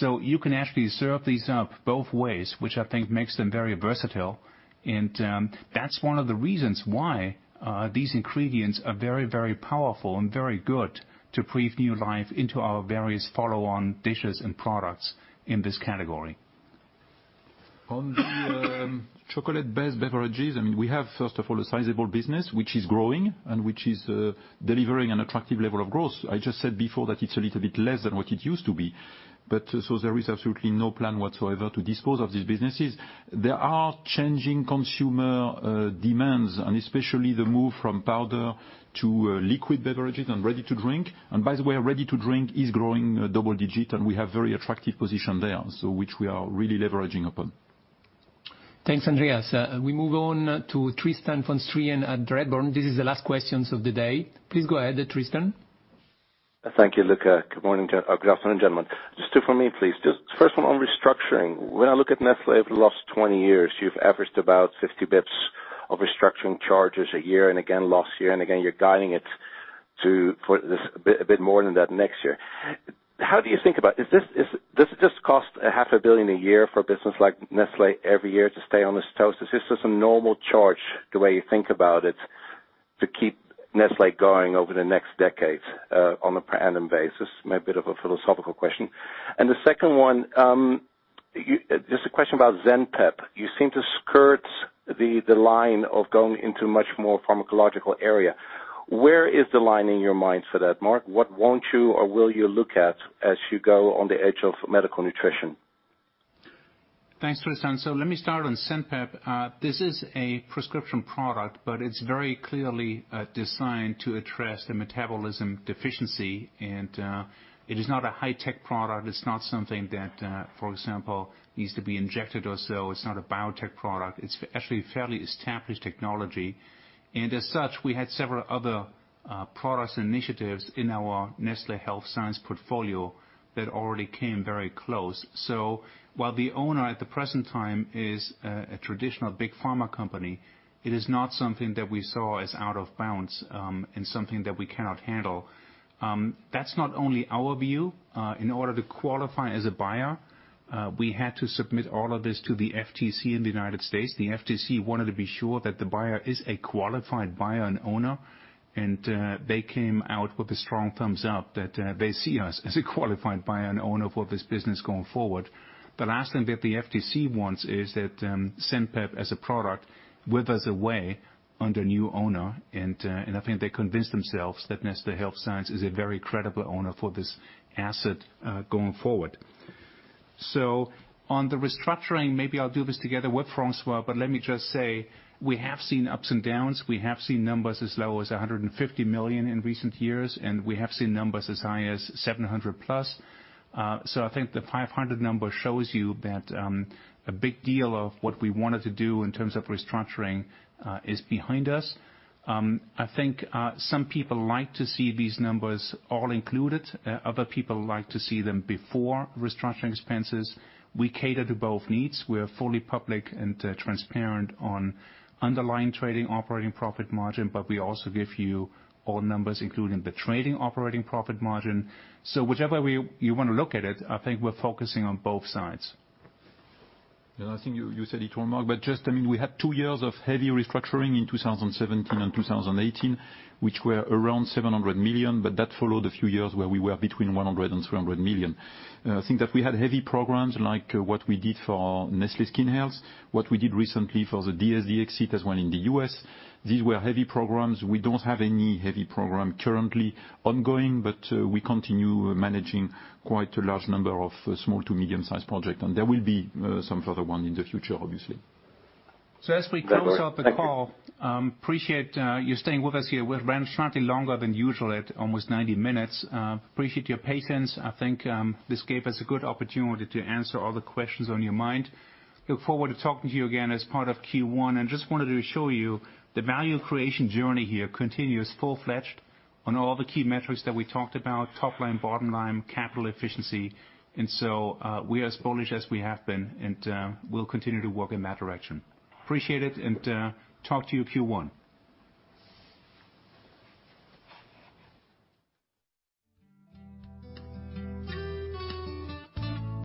You can actually serve these up both ways, which I think makes them very versatile. That's one of the reasons why these ingredients are very powerful and very good to breathe new life into our various follow-on dishes and products in this category.
On the chocolate-based beverages, we have, first of all, a sizable business which is growing and which is delivering an attractive level of growth. I just said before that it's a little bit less than what it used to be. There is absolutely no plan whatsoever to dispose of these businesses. There are changing consumer demands, and especially the move from powder to liquid beverages and ready to drink. By the way, ready to drink is growing double digit, and we have very attractive position there, so which we are really leveraging upon.
Thanks, Andreas. We move on to Tristan van Strien at Redburn. This is the last questions of the day. Please go ahead, Tristan.
Thank you, Luca. Good afternoon, gentlemen. Just two for me, please. Just first one on restructuring. When I look at Nestlé over the last 20 years, you've averaged about 50 basis points of restructuring charges a year, and again last year, and again you're guiding it a bit more than that next year. How do you think about it, does this cost a 0.5 billion a year for a business like Nestlé every year to stay on the status? Is this a normal charge the way you think about it? To keep Nestlé going over the next decade on a per annum basis. Maybe a bit of a philosophical question. The second one, just a question about Zenpep. You seem to skirt the line of going into much more pharmacological area. Where is the line in your mind for that, Mark? What won't you or will you look at as you go on the edge of medical nutrition?
Thanks, Tristan. Let me start on Zenpep. This is a prescription product, but it's very clearly designed to address the metabolism deficiency, and it is not a high-tech product. It's not something that, for example, needs to be injected or so. It's not a biotech product. It's actually a fairly established technology. As such, we had several other products initiatives in our Nestlé Health Science portfolio that already came very close. While the owner at the present time is a traditional big pharma company, it is not something that we saw as out of bounds, and something that we cannot handle. That's not only our view. In order to qualify as a buyer, we had to submit all of this to the FTC in the United States. The FTC wanted to be sure that the buyer is a qualified buyer and owner. They came out with a strong thumbs up that they see us as a qualified buyer and owner for this business going forward. The last thing that the FTC wants is that Zenpep, as a product, withers away under new owner. I think they convinced themselves that Nestlé Health Science is a very credible owner for this asset going forward. On the restructuring, maybe I'll do this together with François. Let me just say, we have seen ups and downs. We have seen numbers as low as 150 million in recent years. We have seen numbers as high as 700+ million. I think the 500 number shows you that a big deal of what we wanted to do in terms of restructuring is behind us. I think some people like to see these numbers all included. Other people like to see them before restructuring expenses. We cater to both needs. We're fully public and transparent on underlying trading operating profit margin, but we also give you all numbers, including the trading operating profit margin. Whichever way you want to look at it, I think we're focusing on both sides.
Yeah, I think you said it all, Mark. We had two years of heavy restructuring in 2017 and 2018, which were around 700 million, but that followed a few years where we were between 100 million and 300 million. I think that we had heavy programs like what we did for Nestlé Skin Health, what we did recently for the DSD exit as one in the U.S. These were heavy programs. We don't have any heavy program currently ongoing. We continue managing quite a large number of small to medium-sized project. There will be some further one in the future, obviously.
As we close out the call, appreciate you staying with us here. We ran slightly longer than usual at almost 90 minutes. Appreciate your patience. I think this gave us a good opportunity to answer all the questions on your mind. Look forward to talking to you again as part of Q1, and just wanted to show you the value creation journey here continues full-fledged on all the key metrics that we talked about, top line, bottom line, capital efficiency. We are as bullish as we have been, and we'll continue to work in that direction. Appreciate it, and talk to you Q1.